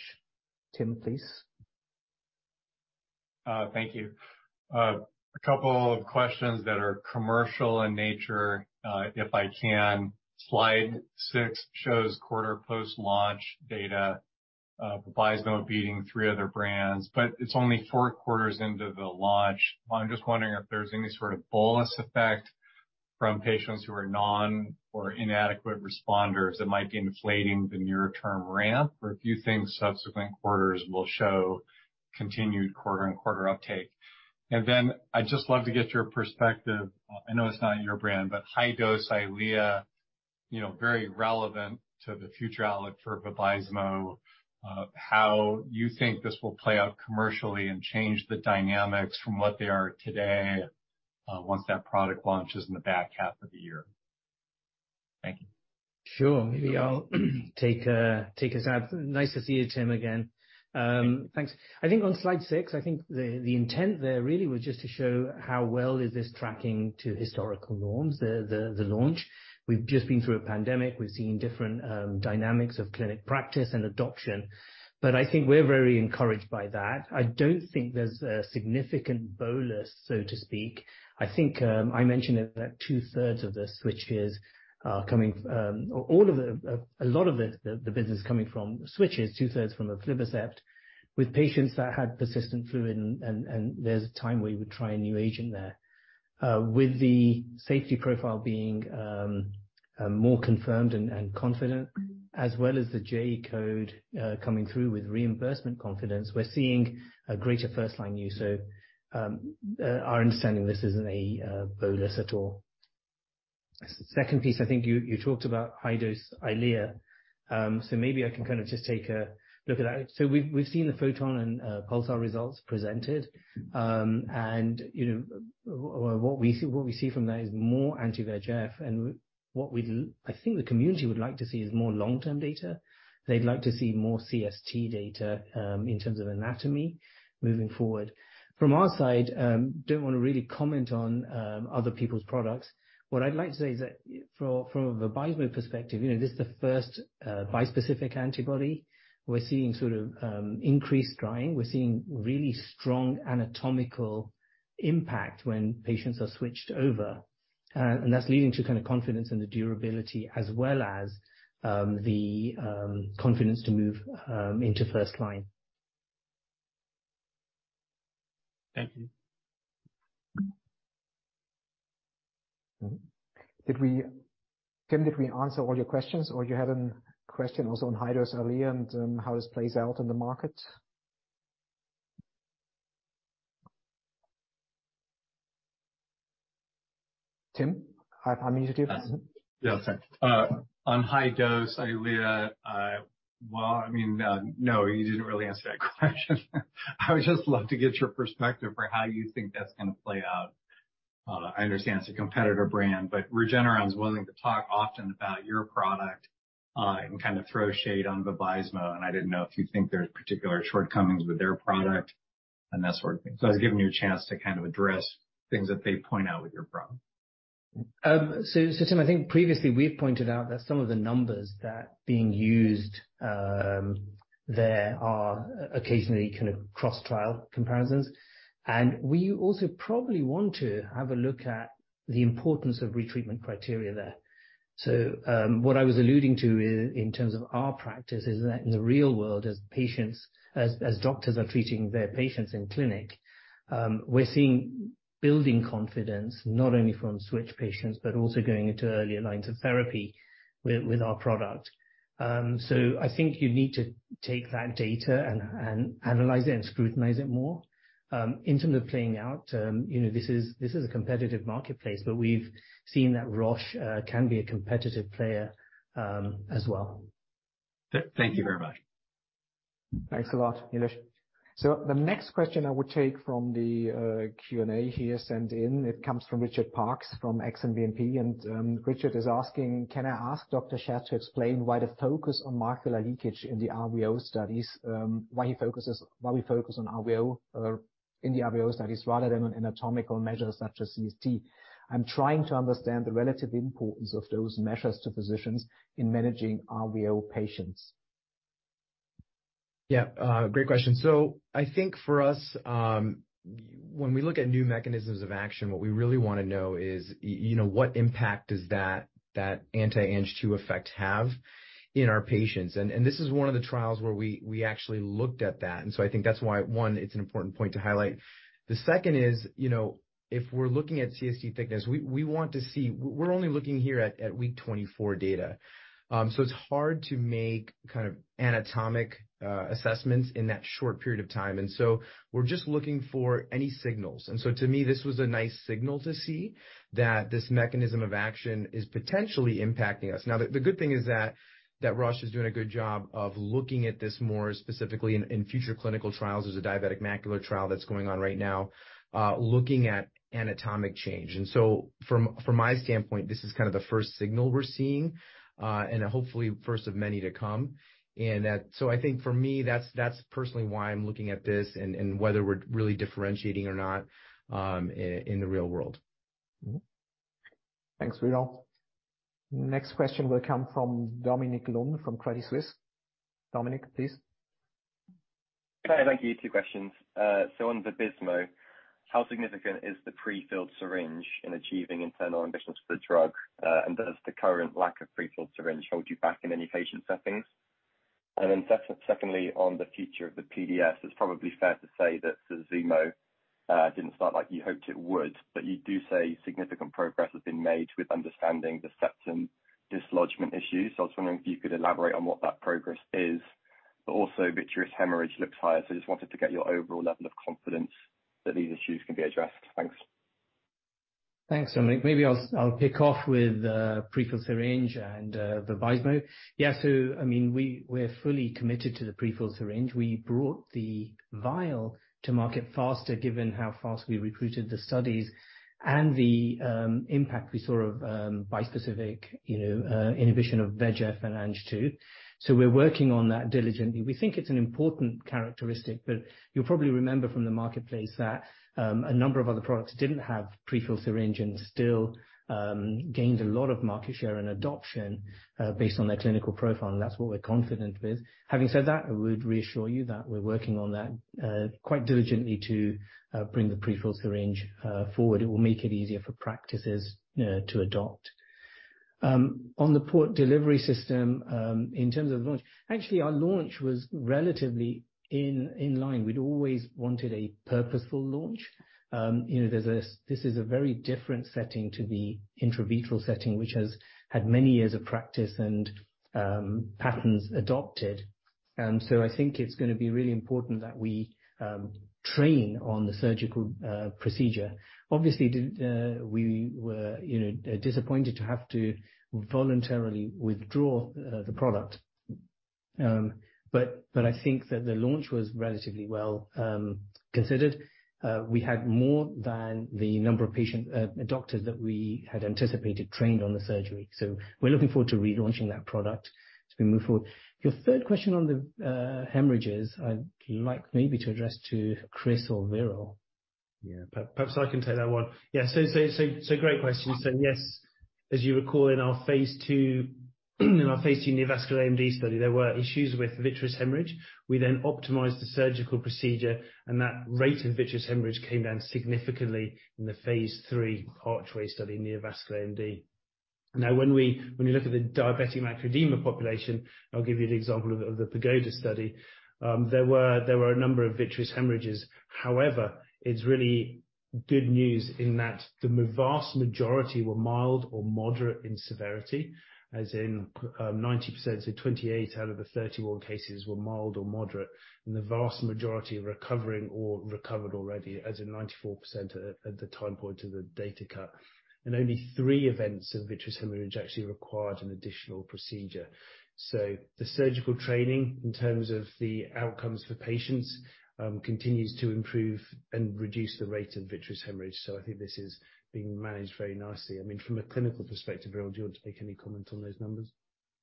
Tim, please. Thank you. A couple of questions that are commercial in nature, if I can. Slide 6 shows quarter post-launch data, Vabysmo beating three other brands, but it's only four quarters into the launch. I'm just wondering if there's any sort of bolus effect from patients who are non or inadequate responders that might be inflating the near term ramp, or if you think subsequent quarters will show continued quarter and quarter uptake. I'd just love to get your perspective. I know it's not your brand, but high-dose EYLEA, very relevant to the future outlook for Vabysmo. How you think this will play out commercially and change the dynamics from what they are today, once that product launches in the back half of the year? Sure. Maybe I'll take us out. Nice to see you, Tim Anderson, again. Thanks. I think on slide 6, I think the intent there really was just to show how well is this tracking to historical norms, the launch. We've just been through a pandemic. We've seen different dynamics of clinic practice and adoption. But I think we're very encouraged by that. I don't think there's a significant bolus, so to speak. I think I mentioned that 2/3 of the switches are coming. All of the, a lot of the business coming from switches, 2/3 from the aflibercept, with patients that had persistent fluid and there's a time where you would try a new agent there. With the safety profile being more confirmed and confident, as well as the J-code coming through with reimbursement confidence, we're seeing a greater first-line use. Our understanding, this isn't a bolus at all. Second piece, I think you talked about high-dose EYLEA. Maybe I can kind of just take a look at that. We've seen the PHOTON and PULSAR results presented. You know, what we see from that is more anti-VEGF. I think the community would like to see is more long-term data. They'd like to see more CST data in terms of anatomy moving forward. From our side, don't wanna really comment on other people's products. What I'd like to say is that from a Vabysmo perspective, you know, this is the first bispecific antibody. We're seeing sort of increased drying. We're seeing really strong anatomical impact when patients are switched over. That's leading to kind of confidence in the durability as well as the confidence to move into first line. Thank you. Tim, did we answer all your questions, or you had an question also on high-dose EYLEA and how this plays out in the market? Tim? I mute you. Yeah. Sorry. on high-dose EYLEA, well, I mean, no, you didn't really answer that question. I would just love to get your perspective for how you think that's gonna play out. I understand it's a competitor brand, but Regeneron is willing to talk often about your product, and kind of throw shade on Vabysmo, and I didn't know if you think there's particular shortcomings with their product and that sort of thing. I was giving you a chance to kind of address things that they point out with your product. Tim, I think previously we've pointed out that some of the numbers that being used, there are occasionally kind of cross-trial comparisons. We also probably want to have a look at the importance of retreatment criteria there. What I was alluding to in terms of our practice is that in the real world, as patients, as doctors are treating their patients in clinic, we're seeing building confidence not only from switch patients, but also going into earlier lines of therapy with our product. I think you need to take that data and analyze it and scrutinize it more. In terms of playing out, you know, this is a competitive marketplace, but we've seen that Roche can be a competitive player as well. Thank you very much. Thanks a lot, Nilesh. The next question I will take from the Q&A here sent in. It comes from Richard Parkes, from Exane BNP Paribas. Richard is asking, can I ask Dr. Sheth to explain why the focus on macular leakage in the RVO studies, why we focus on RVO in the RVO studies rather than on anatomical measures such as CST? I'm trying to understand the relative importance of those measures to physicians in managing RVO patients. Yeah. Great question. I think for us, when we look at new mechanisms of action, what we really wanna know is, you know, what impact does that anti-Ang-2 effect have in our patients. This is one of the trials where we actually looked at that. I think that's why, one, it's an important point to highlight. The second is, you know, if we're looking at CST thickness, we want to see... We're only looking here at week 24 data. So it's hard to make kind of anatomic assessments in that short period of time. We're just looking for any signals. To me, this was a nice signal to see that this mechanism of action is potentially impacting us. The good thing is that Roche is doing a good job of looking at this more specifically in future clinical trials. There's a diabetic macular trial that's going on right now, looking at anatomic change. From my standpoint, this is kind of the first signal we're seeing, and hopefully first of many to come. I think for me, that's personally why I'm looking at this and whether we're really differentiating or not in the real world. Thanks, Vidal. Next question will come from Dominic Lunn, from Credit Suisse. Dominic, please. Hi. Thank you. Two questions. On Vabysmo, how significant is the prefilled syringe in achieving internal ambitions for the drug? Does the current lack of prefilled syringe hold you back in any patient settings? Secondly, on the future of the PDS, it's probably fair to say that Susvimo didn't start like you hoped it would, but you do say significant progress has been made with understanding the septum dislodgement issues. I was wondering if you could elaborate on what that progress is. Vitreous hemorrhage looks higher, I just wanted to get your overall level of confidence that these issues can be addressed. Thanks. Thanks, Dominic. Maybe I'll pick off with prefilled syringe and Vabysmo. I mean, we're fully committed to the prefilled syringe. We brought the vial to market faster, given how fast we recruited the studies and the impact we saw of bispecific, you know, inhibition of VEGF and Ang-2. We're working on that diligently. We think it's an important characteristic, you'll probably remember from the marketplace that a number of other products didn't have prefilled syringe and still gained a lot of market share and adoption based on their clinical profile, and that's what we're confident with. Having said that, I would reassure you that we're working on that quite diligently to bring the prefilled syringe forward. It will make it easier for practices to adopt. On the Port Delivery System, in terms of launch, actually, our launch was relatively in line. We'd always wanted a purposeful launch. You know, there's this is a very different setting to the intravitreal setting, which has had many years of practice and patterns adopted. I think it's gonna be really important that we train on the surgical procedure. Obviously, we were, you know, disappointed to have to voluntarily withdraw the product. I think that the launch was relatively well considered. We had more than the number of patient doctors that we had anticipated trained on the surgery, so we're looking forward to relaunching that product as we move forward. Your third question on the hemorrhages, I'd like maybe to address to Christopher Brittain or Veeral Sheth. Yeah. Perhaps I can take that one. Yeah, so great question. Yes, as you recall, in our phase II, in our phase II neovascular AMD study, there were issues with vitreous hemorrhage. We then optimized the surgical procedure, and that rate of vitreous hemorrhage came down significantly in the phase III Archway study neovascular AMD. Now, when we look at the diabetic macular edema population, I'll give you an example of the Pagoda study. There were a number of vitreous hemorrhages. However, it's really good news in that the vast majority were mild or moderate in severity, as in 90%, so 28 out of the 31 cases were mild or moderate, and the vast majority recovering or recovered already, as in 94% at the time point of the data cut. Only three events of vitreous hemorrhage actually required an additional procedure. The surgical training in terms of the outcomes for patients, continues to improve and reduce the rate of vitreous hemorrhage. I think this is being managed very nicely. I mean, from a clinical perspective, Veeral, do you want to make any comment on those numbers?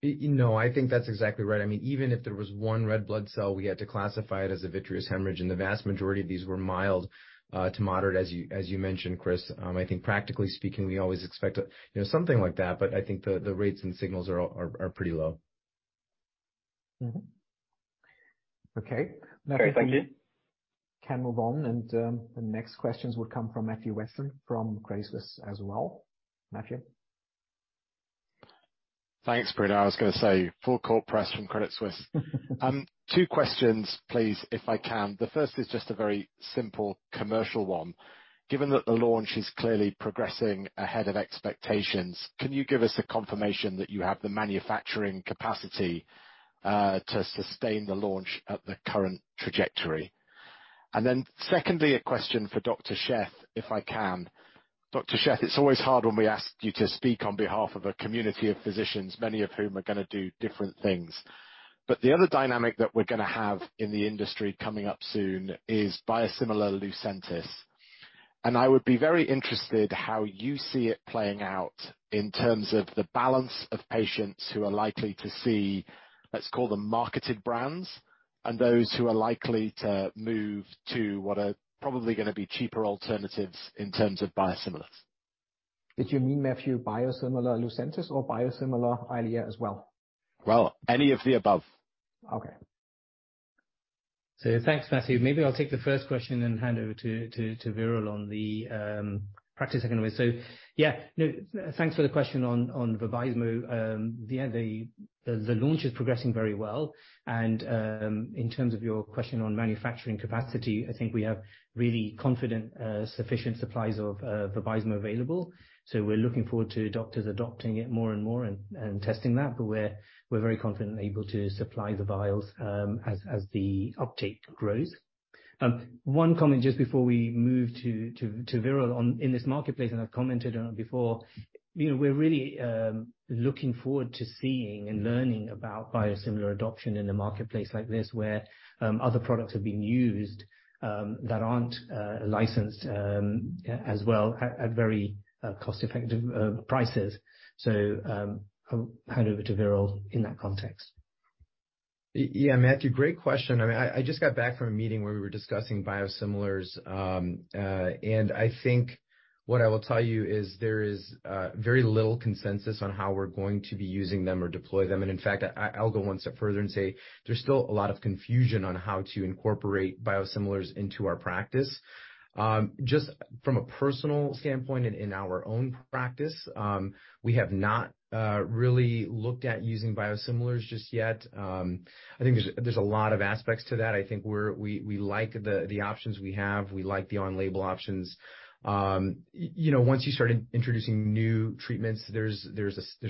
You know, I think that's exactly right. I mean, even if there was one red blood cell, we had to classify it as a vitreous hemorrhage, and the vast majority of these were mild to moderate, as you mentioned, Chris. I think practically speaking, we always expect, you know, something like that, but I think the rates and signals are pretty low. Mm-hmm. Okay. Okay. Thank you. Can move on. The next questions would come from Matthew Weston from Credit Suisse as well. Matthew. Thanks, Bruno. I was gonna say full corp press from Credit Suisse. Two questions please, if I can. The first is just a very simple commercial one. Given that the launch is clearly progressing ahead of expectations, can you give us a confirmation that you have the manufacturing capacity to sustain the launch at the current trajectory? Secondly, a question for Dr. Sheth, if I can. Dr. Sheth, it's always hard when we ask you to speak on behalf of a community of physicians, many of whom are gonna do different things. The other dynamic that we're gonna have in the industry coming up soon is biosimilar LUCENTIS, and I would be very interested how you see it playing out in terms of the balance of patients who are likely to see, let's call them marketed brands, and those who are likely to move to what are probably gonna be cheaper alternatives in terms of biosimilars. Did you mean Matthew biosimilar LUCENTIS or biosimilar EYLEA as well? Well, any of the above. Okay. Thanks, Matthew. Maybe I'll take the first question then hand over to Veeral on the practice anyway. Yeah, no, thanks for the question on Vabysmo. Yeah, the launch is progressing very well. In terms of your question on manufacturing capacity, I think we have really confident sufficient supplies of Vabysmo available. We're looking forward to doctors adopting it more and more and testing that, but we're very confident and able to supply the vials as the uptake grows. One comment just before we move to Veeral on... In this marketplace, and I've commented on it before, you know, we're really looking forward to seeing and learning about biosimilar adoption in a marketplace like this where other products have been used that aren't licensed as well at very cost-effective prices. I'll hand over to Veeral in that context. Yeah, Matthew, great question. I mean, I just got back from a meeting where we were discussing biosimilars. I think what I will tell you is there is very little consensus on how we're going to be using them or deploy them. In fact, I'll go one step further and say there's still a lot of confusion on how to incorporate biosimilars into our practice. Just from a personal standpoint and in our own practice, we have not really looked at using biosimilars just yet. I think there's a lot of aspects to that. I think we like the options we have. We like the on-label options. you know, once you start introducing new treatments, there's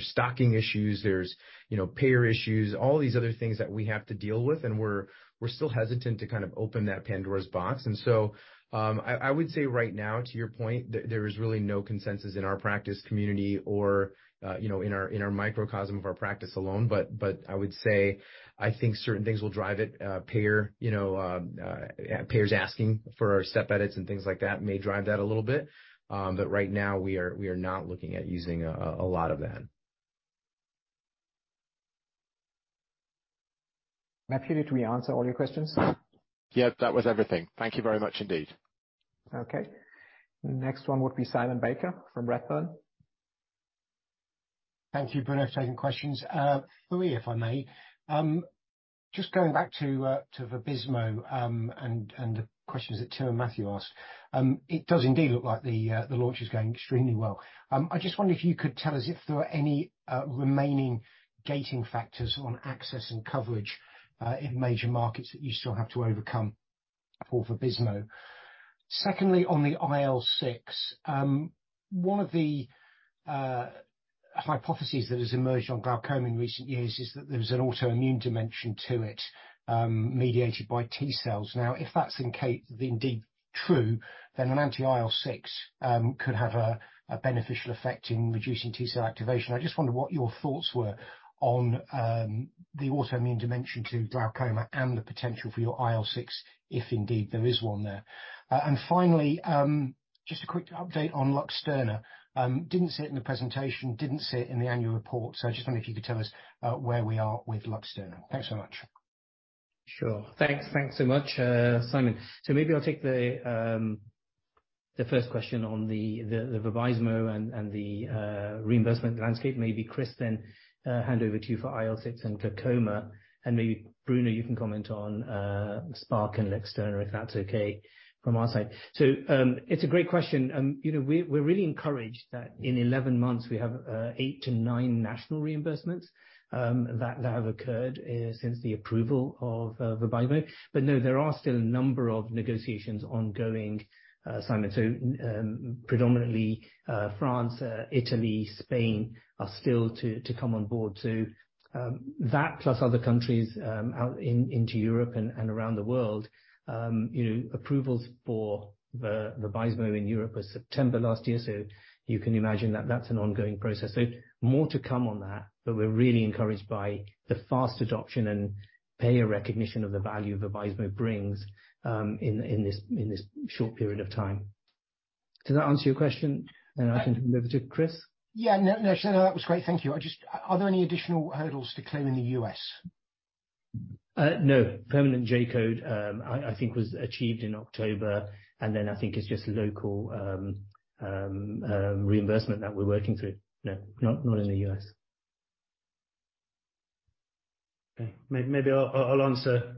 stocking issues, there's, you know, payer issues, all these other things that we have to deal with, and we're still hesitant to kind of open that Pandora's box. I would say right now, to your point, there is really no consensus in our practice community or, you know, in our microcosm of our practice alone. I would say I think certain things will drive it. Payer, you know, payers asking for step edits and things like that may drive that a little bit. Right now we are not looking at using a lot of that. Matthew, did we answer all your questions? Yeah, that was everything. Thank you very much indeed. Okay. The next one would be Simon Baker from Redburn. Thank you, Bruno, for taking questions. Louis, if I may, just going back to Vabysmo, and the questions that Tim and Matthew asked. It does indeed look like the launch is going extremely well. I just wonder if you could tell us if there are any remaining gating factors on access and coverage in major markets that you still have to overcome for Vabysmo. Secondly, on the IL-6, one of the hypotheses that has emerged on glaucoma in recent years is that there's an autoimmune dimension to it, mediated by T cells. Now, if that's indeed true, then an anti-IL-6 could have a beneficial effect in reducing T cell activation. I just wondered what your thoughts were on the autoimmune dimension to glaucoma and the potential for your IL-6, if indeed there is one there. Finally, just a quick update on LUXTURNA. Didn't see it in the presentation, didn't see it in the annual report, I just wonder if you could tell us where we are with LUXTURNA. Thanks so much. Sure. Thanks. Thanks so much, Simon. Maybe I'll take the first question on the Vabysmo and the reimbursement landscape. Maybe Chris then, hand over to you for IL-6 and glaucoma, maybe Bruno, you can comment on Spark and LUXTURNA, if that's okay, from our side. It's a great question. You know, we're really encouraged that in 11 months we have 8-9 national reimbursements that have occurred since the approval of Vabysmo. There are still a number of negotiations ongoing, Simon. Predominantly, France, Italy, Spain are still to come on board. That plus other countries out into Europe and around the world. you know, approvals for the Vabysmo in Europe was September last year, so you can imagine that that's an ongoing process. More to come on that, but we're really encouraged by the fast adoption and payer recognition of the value Vabysmo brings in this short period of time. Does that answer your question? Yeah. I can hand over to Chris. Yeah. No, sure. That was great. Thank you. Are there any additional hurdles to clear in the U.S.? Permanent J-code I think was achieved in October. I think it's just local reimbursement that we're working through. Not in the U.S. Okay. Maybe I'll answer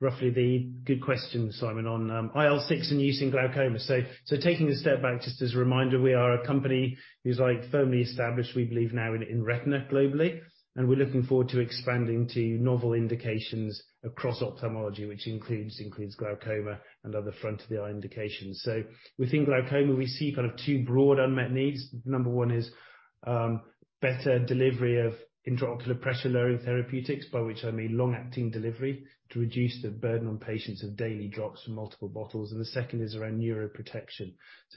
roughly the good question, Simon, on IL-6 and use in glaucoma. Taking a step back, just as a reminder, we are a company who's like firmly established, we believe now in retina globally, and we're looking forward to expanding to novel indications across ophthalmology, which includes glaucoma and other front of the eye indications. Within glaucoma, we see kind of two broad unmet needs. Number one is better delivery of intraocular pressure-lowering therapeutics, by which I mean long-acting delivery to reduce the burden on patients of daily drops from multiple bottles. The second is around neuroprotection.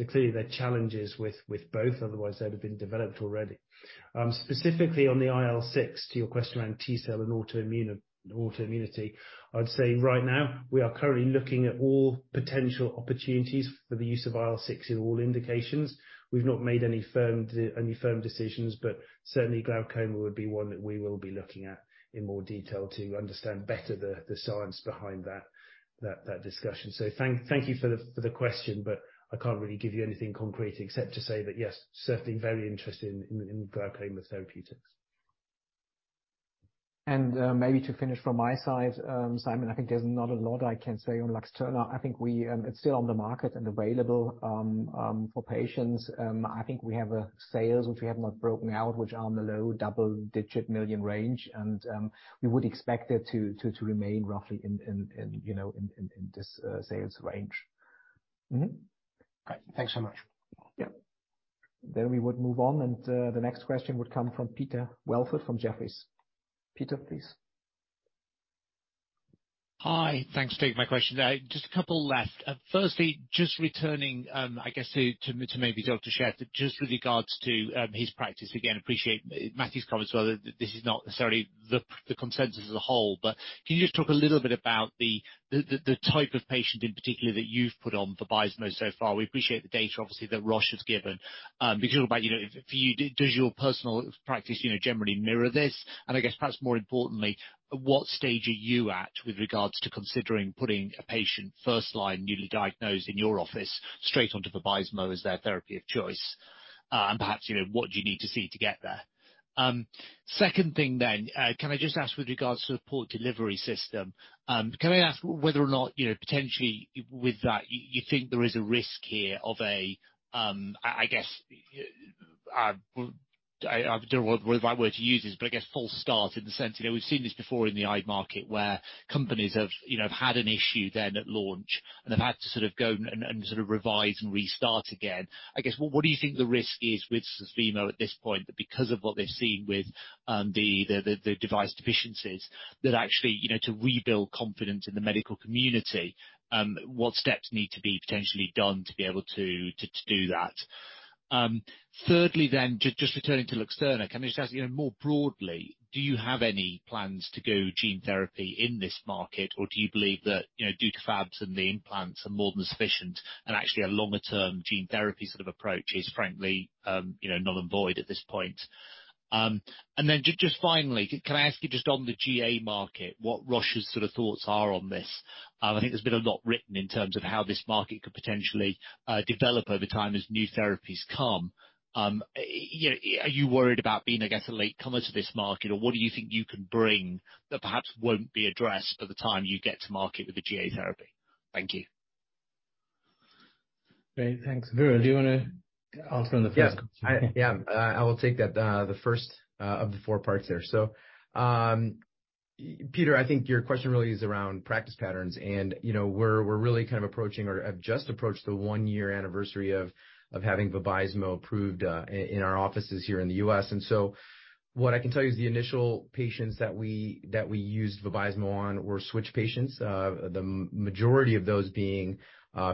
Clearly there are challenges with both, otherwise they'd have been developed already. Specifically on the IL-6, to your question around T cell and autoimmune, autoimmunity, I'd say right now we are currently looking at all potential opportunities for the use of IL-6 in all indications. We've not made any firm decisions, but certainly glaucoma would be one that we will be looking at in more detail to understand better the science behind that discussion. Thank you for the question, but I can't really give you anything concrete except to say that yes, certainly very interested in glaucoma therapeutics. Maybe to finish from my side, Simon, I think there's not a lot I can say on Luxturna. I think we... it's still on the market and available for patients. I think we have a sales, which we have not broken out, which are on the CHF low double-digit million range, and we would expect it to remain roughly in, you know, in this sales range. Great. Thanks so much. Yeah. We would move on, and the next question would come from Peter Welford from Jefferies. Peter, please. Hi. Thanks for taking my question. just a couple left. firstly, just returning, I guess to maybe Dr. Scheidl just with regards to his practice. Again, appreciate Matthew's comments, well, this is not necessarily the consensus as a whole, but can you just talk a little bit about the type of patient in particular that you've put on Vabysmo so far? We appreciate the data, obviously, that Roche has given. Can you talk about, you know, for you, does your personal practice, you know, generally mirror this? And I guess perhaps more importantly, at what stage are you at with regards to considering putting a patient first line newly diagnosed in your office straight onto Vabysmo as their therapy of choice? and perhaps, you know, what do you need to see to get there? Second thing, can I just ask with regards to the Port Delivery System, can I ask whether or not, you know, potentially with that you think there is a risk here of a, I guess, I don't know what the right word to use is, but I guess false start in the sense, you know, we've seen this before in the eye market where companies have, you know, had an issue then at launch and have had to sort of go and sort of revise and restart again. I guess, what do you think the risk is with Susvimo at this point, that because of what they've seen with the device deficiencies that actually, you know, to rebuild confidence in the medical community, what steps need to be potentially done to be able to do that? Thirdly, just returning to Luxturna, can I just ask you more broadly, do you have any plans to go gene therapy in this market, or do you believe that, you know, due to fabs and the implants are more than sufficient and actually a longer-term gene therapy sort of approach is frankly, you know, not avoided at this point? Just finally, can I ask you just on the GA market, what Roche's sort of thoughts are on this? I think there's been a lot written in terms of how this market could potentially develop over time as new therapies come. You know, are you worried about being, I guess, a latecomer to this market? What do you think you can bring that perhaps won't be addressed by the time you get to market with the GA therapy? Thank you. Great. Thanks. Viral, do you wanna answer on the first question? Yeah. Yeah, I will take that, the first of the four parts there. Peter, I think your question really is around practice patterns and, you know, we're really kind of approaching or have just approached the one-year anniversary of having Vabysmo approved in our offices here in the U.S. What I can tell you is the initial patients that we used Vabysmo on were switch patients. The majority of those being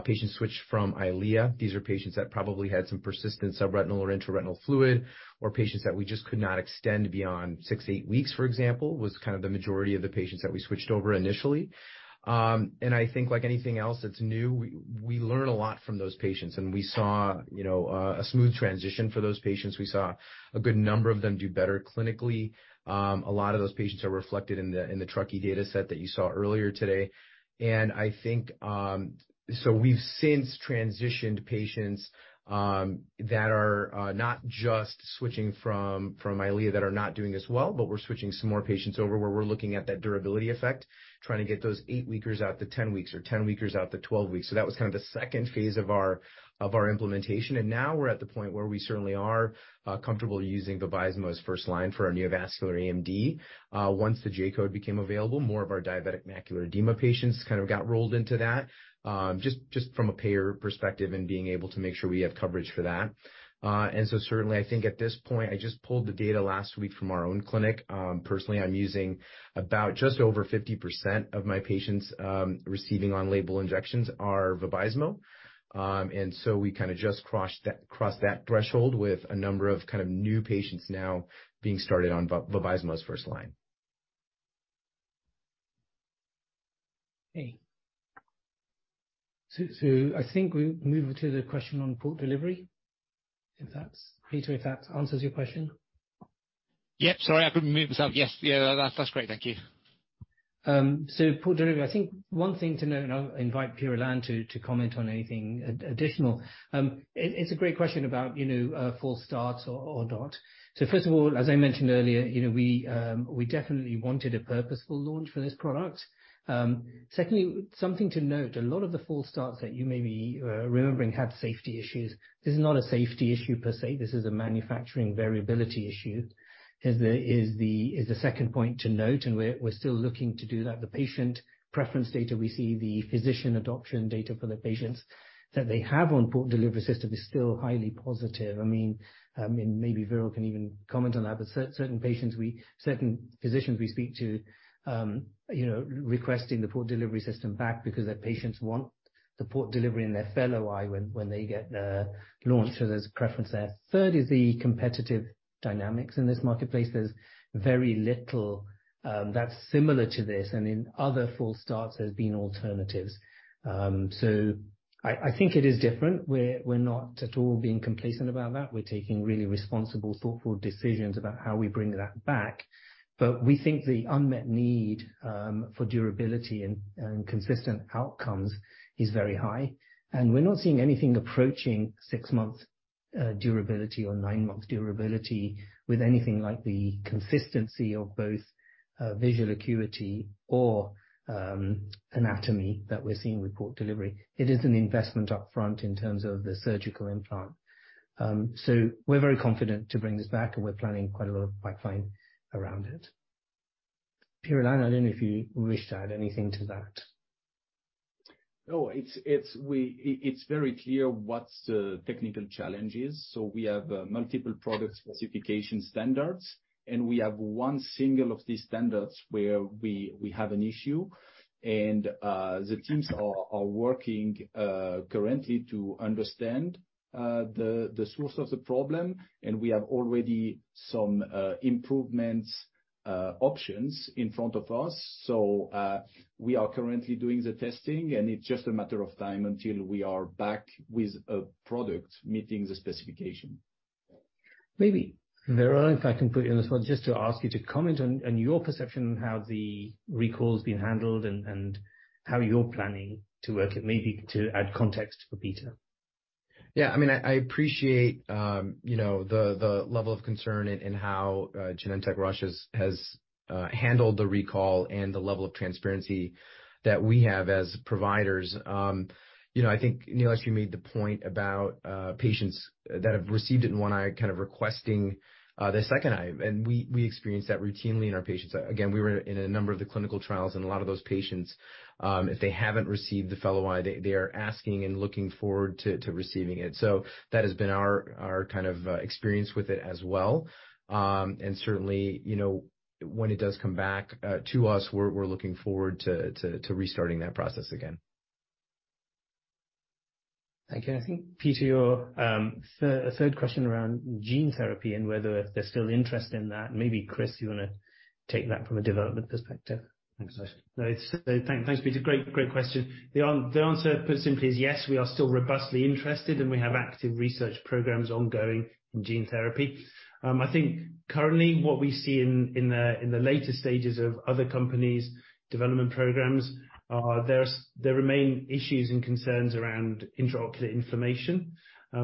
patients switched from EYLEA. These are patients that probably had some persistent subretinal or intraretinal fluid, or patients that we just could not extend beyond six, eight weeks, for example, was kind of the majority of the patients that we switched over initially. I think like anything else that's new, we learn a lot from those patients. We saw, you know, a smooth transition for those patients. We saw a good number of them do better clinically. A lot of those patients are reflected in the TRUCKEE data set that you saw earlier today. I think, we've since transitioned patients that are not just switching from EYLEA that are not doing as well, but we're switching some more patients over where we're looking at that durability effect, trying to get those 8-weekers out to 10 weeks or 10-weekers out to 12 weeks. That was kind of the phase II of our implementation. Now we're at the point where we certainly are comfortable using Vabysmo as first line for our neovascular AMD. Once the J-code became available, more of our diabetic macular edema patients kind of got rolled into that, just from a payer perspective and being able to make sure we have coverage for that. Certainly I think at this point, I just pulled the data last week from our own clinic. Personally, I'm using about just over 50% of my patients, receiving on-label injections are Vabysmo. We kind of just crossed that threshold with a number of kind of new patients now being started on Vabysmo as first line. Okay. I think we move to the question on port delivery. Peter, if that answers your question. Yep. Sorry, I couldn't mute this up. Yes. Yeah, that's great. Thank you. Port delivery. I think one thing to note, and I'll invite Pierre-Alain to comment on anything additional. It's a great question about, you know, false starts or not. First of all, as I mentioned earlier, you know, we definitely wanted a purposeful launch for this product. Secondly, something to note, a lot of the false starts that you may be remembering had safety issues. This is not a safety issue per se. This is a manufacturing variability issue. Is the second point to note, and we're still looking to do that. The patient preference data we see, the physician adoption data for the patients that they have on Port Delivery System is still highly positive. I mean, and maybe Viral can even comment on that, but certain patients we... certain physicians we speak to, you know, requesting the Port Delivery System back because their patients want the Port Delivery in their fellow eye when they get the launch. There's preference there. Third is the competitive dynamics in this marketplace. There's very little that's similar to this, and in other false starts, there's been alternatives. I think it is different. We're not at all being complacent about that. We're taking really responsible, thoughtful decisions about how we bring that back. We think the unmet need for durability and consistent outcomes is very high. We're not seeing anything approaching 6 months durability or 9 months durability with anything like the consistency of both visual acuity or anatomy that we're seeing with Port Delivery. It is an investment up front in terms of the surgical implant. We're very confident to bring this back, and we're planning quite a lot of pipeline around it. Pierre-Alain, I don't know if you wish to add anything to that. No, it's, we, it's very clear what the technical challenge is. We have multiple product specification standards, and we have one single of these standards where we have an issue. The teams are working currently to understand the source of the problem, and we have already some improvements options in front of us. We are currently doing the testing, and it's just a matter of time until we are back with a product meeting the specification. Maybe, Veeral, if I can put you on the spot just to ask you to comment on your perception on how the recall's been handled and how you're planning to work it, maybe to add context for Peter. I mean, I appreciate, you know, the level of concern in how Genentech Roche has handled the recall and the level of transparency that we have as providers. You know, I think, Neil, actually you made the point about patients that have received it in one eye kind of requesting the second eye. We experience that routinely in our patients. Again, we were in a number of the clinical trials, a lot of those patients, if they haven't received the fellow eye, they are asking and looking forward to receiving it. That has been our kind of experience with it as well. Certainly, you know, when it does come back to us, we're looking forward to restarting that process again. Thank you. I think, Peter, your third question around gene therapy and whether there's still interest in that, maybe Chris, you wanna take that from a development perspective. Thanks, Nilesh. Thanks, Peter. Great question. The answer put simply is yes, we are still robustly interested, and we have active research programs ongoing in gene therapy. I think currently what we see in the later stages of other companies' development programs, there remain issues and concerns around intraocular inflammation.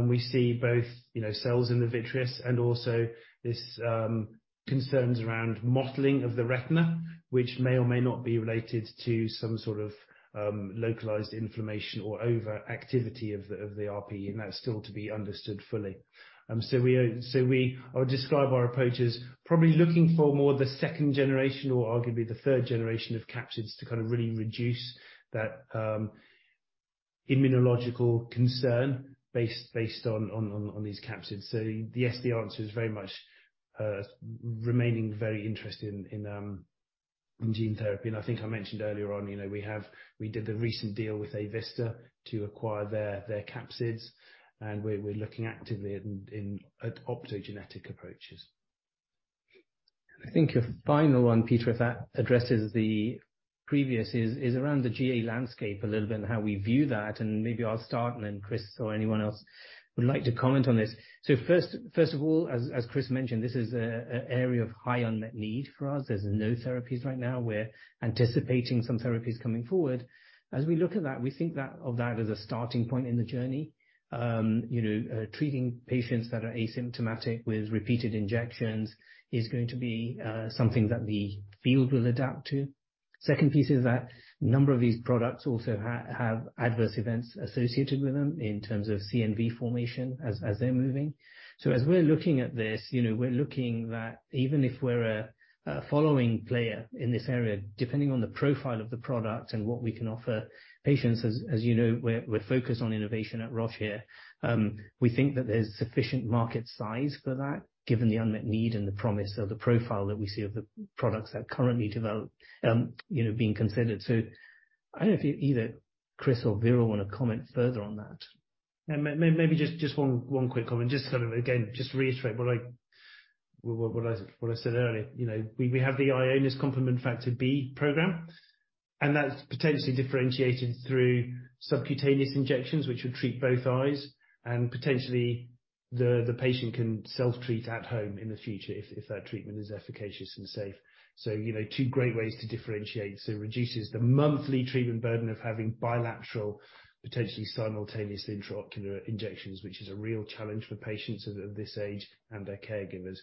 We see both, you know, cells in the vitreous and also there's concerns around mottling of the retina, which may or may not be related to some sort of localized inflammation or overactivity of the RP. That's still to be understood fully. I would describe our approach as probably looking for more the second generation or arguably the third generation of capsids to kind of really reduce that immunological concern based on these capsids. Yes, the answer is very much remaining very interested in gene therapy. I think I mentioned earlier on, you know, we have, we did the recent deal with Avista to acquire their capsids, and we're looking actively at, in optogenetic approaches. I think your final one, Peter, if that addresses the previous, is around the GA landscape a little bit and how we view that, and maybe I'll start and then Chris or anyone else would like to comment on this. First of all, as Chris mentioned, this is an area of high unmet need for us. There's no therapies right now. We're anticipating some therapies coming forward. As we look at that, we think of that as a starting point in the journey. You know, treating patients that are asymptomatic with repeated injections is going to be something that the field will adapt to. Second piece is that a number of these products also have adverse events associated with them in terms of CNV formation as they're moving. As we're looking at this, you know, we're looking that even if we're a following player in this area, depending on the profile of the product and what we can offer patients, as you know, we're focused on innovation at Roche here. We think that there's sufficient market size for that, given the unmet need and the promise of the profile that we see of the products that are currently, you know, being considered. I don't know if either Chris or Veeral want to comment further on that. Maybe just one quick comment. Just kind of, again, just to reiterate what I said earlier. You know, we have the Ionis complement factor B program, and that's potentially differentiated through subcutaneous injections which would treat both eyes and potentially the patient can self-treat at home in the future if that treatment is efficacious and safe. You know, two great ways to differentiate. It reduces the monthly treatment burden of having bilateral, potentially simultaneous intraocular injections, which is a real challenge for patients of this age and their caregivers.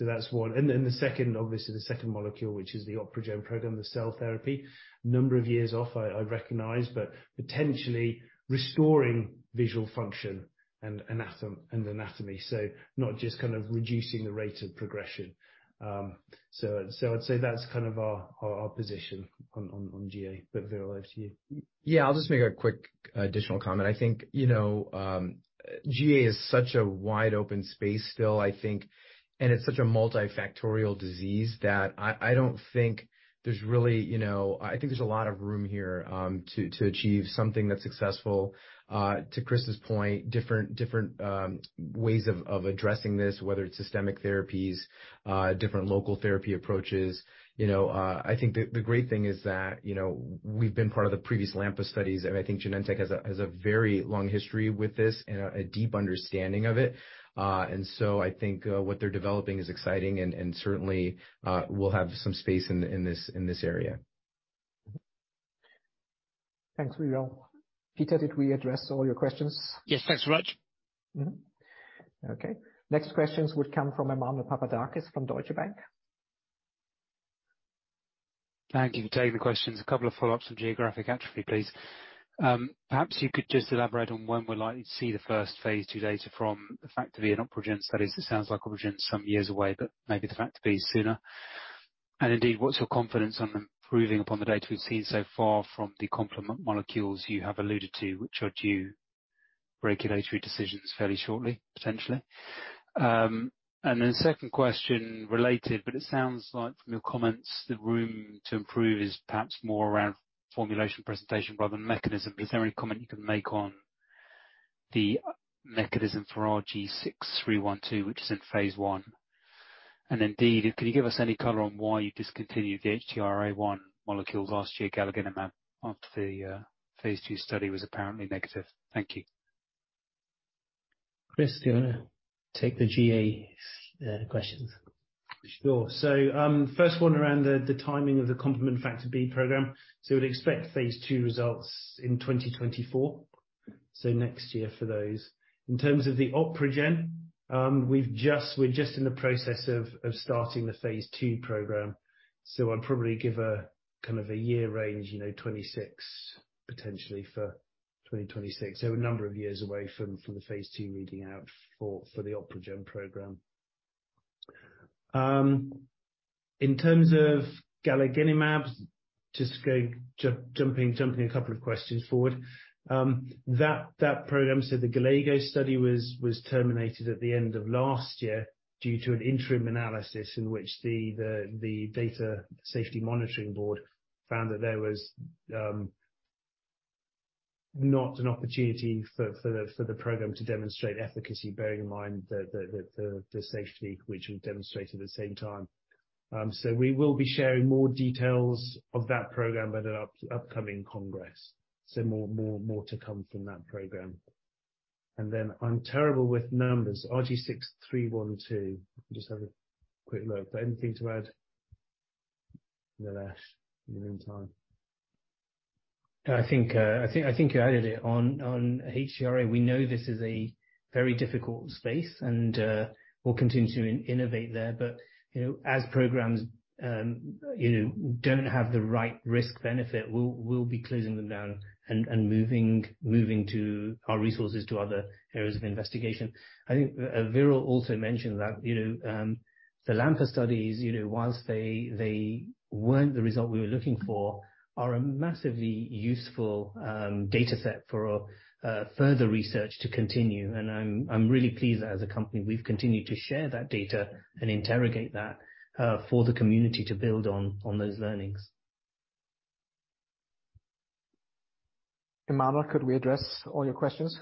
That's one. Then the second, obviously the second molecule, which is the OpRegen program, the cell therapy. A number of years off, I recognize, but potentially restoring visual function and anatomy. Not just kind of reducing the rate of progression. I'd say that's kind of our position on GA. Viro, over to you. I'll just make a quick additional comment. I think, you know, GA is such a wide-open space still, I think, and it's such a multifactorial disease that I don't think there's really, you know... I think there's a lot of room here to achieve something that's successful. To Chris's point, different ways of addressing this, whether it's systemic therapies, different local therapy approaches. You know, I think the great thing is that, you know, we've been part of the previous LAMPA studies, and I think Genentech has a very long history with this and a deep understanding of it. So I think what they're developing is exciting and certainly we'll have some space in this, in this area. Thanks, Veeral. Peter, did we address all your questions? Yes. Thanks, Nilesh. Okay. Next questions would come from Emmanuel Papadakis from Deutsche Bank. Thank you for taking the questions. A couple of follow-ups on geographic atrophy, please. Perhaps you could just elaborate on when we're likely to see the first phase II data from the factor B and OpRegen studies. It sounds like OpRegen is some years away, but maybe the factor B sooner. Indeed, what's your confidence on improving upon the data we've seen so far from the complement molecules you have alluded to, which are due regulatory decisions fairly shortly, potentially. Then second question related, but it sounds like from your comments, the room to improve is perhaps more around formulation presentation rather than mechanism. Is there any comment you can make on the mechanism for RG6312, which is in phase I? Can you give us any color on why you discontinued the HTRA1 molecule last year, galegenimab, after the phase II study was apparently negative? Thank you. Chris, do you wanna take the GA questions? Sure. First one around the timing of the complement factor B program. We'd expect phase II results in 2024, so next year for those. In terms of the OpRegen, we're just in the process of starting the phase II program. I'd probably give a kind of a year range, you know, 2026 potentially for 2026. A number of years away from the phase II reading out for the OpRegen program. In terms of galegenimab, just going, jumping a couple of questions forward, that program, so the GALAGO study was terminated at the end of last year due to an interim analysis in which the data safety monitoring board found that there was Not an opportunity for the program to demonstrate efficacy, bearing in mind the safety which we've demonstrated at the same time. We will be sharing more details of that program at an upcoming congress. More to come from that program. I'm terrible with numbers. RG6312. Just have a quick look, but anything to add, Nilesh, in the meantime? I think you added it on H CRA. We know this is a very difficult space and we'll continue to innovate there. You know, as programs, you know, don't have the right risk benefit, we'll be closing them down and moving our resources to other areas of investigation. I think Veeral also mentioned that, you know, the LAMPA studies, you know, whilst they weren't the result we were looking for, are a massively useful dataset for further research to continue. I'm really pleased that as a company, we've continued to share that data and interrogate that for the community to build on those learnings. Emmanuel, could we address all your questions?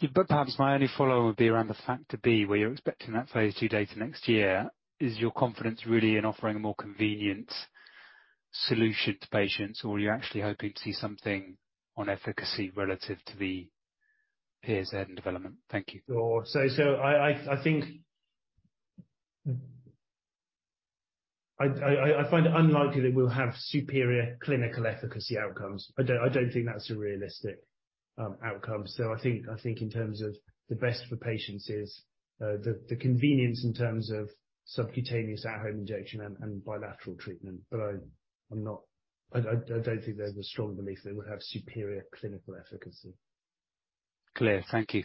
Yeah. Perhaps my only follow would be around the factor B, where you're expecting that phase II data next year. Is your confidence really in offering a more convenient solution to patients, or you're actually hoping to see something on efficacy relative to the peers that are in development? Thank you. Sure. I find it unlikely that we'll have superior clinical efficacy outcomes. I don't think that's a realistic outcome. I think in terms of the best for patients is the convenience in terms of subcutaneous at-home injection and bilateral treatment. I don't think there's a strong belief they would have superior clinical efficacy. Clear. Thank you.